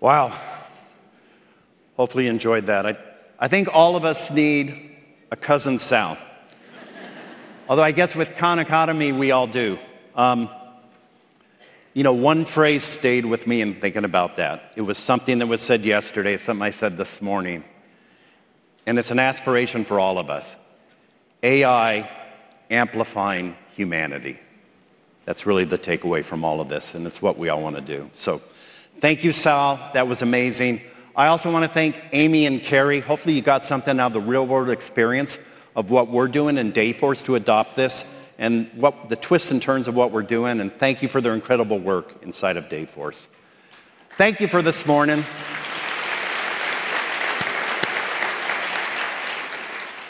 Wow. Hopefully you enjoyed that. I think all of us need a cousin Sal. Although I guess with Khan Academy, we all do. One phrase stayed with me in thinking about that. It was something that was said yesterday, something I said this morning, and it's an aspiration for all of us. AI amplifying humanity. That's really the takeaway from all of this, and it's what we all want to do. Thank you, Sal. That was amazing. I also want to thank Amy and Carrie. Hopefully you got something out of the real world experience of what we're doing in Dayforce to adopt this and the twists and turns of what we're doing. Thank you for their incredible work inside of Dayforce. Thank you for this morning.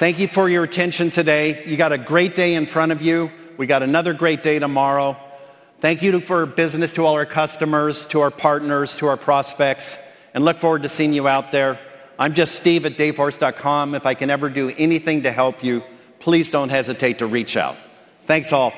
Thank you for your attention today. You got a great day in front of you. We got another great day tomorrow. Thank you for business, to all our customers, to our partners, to our prospects, and look forward to seeing you out there. I'm just stevedavehorse.com. If I can ever do anything to help you, please don't hesitate to reach out. Thanks all.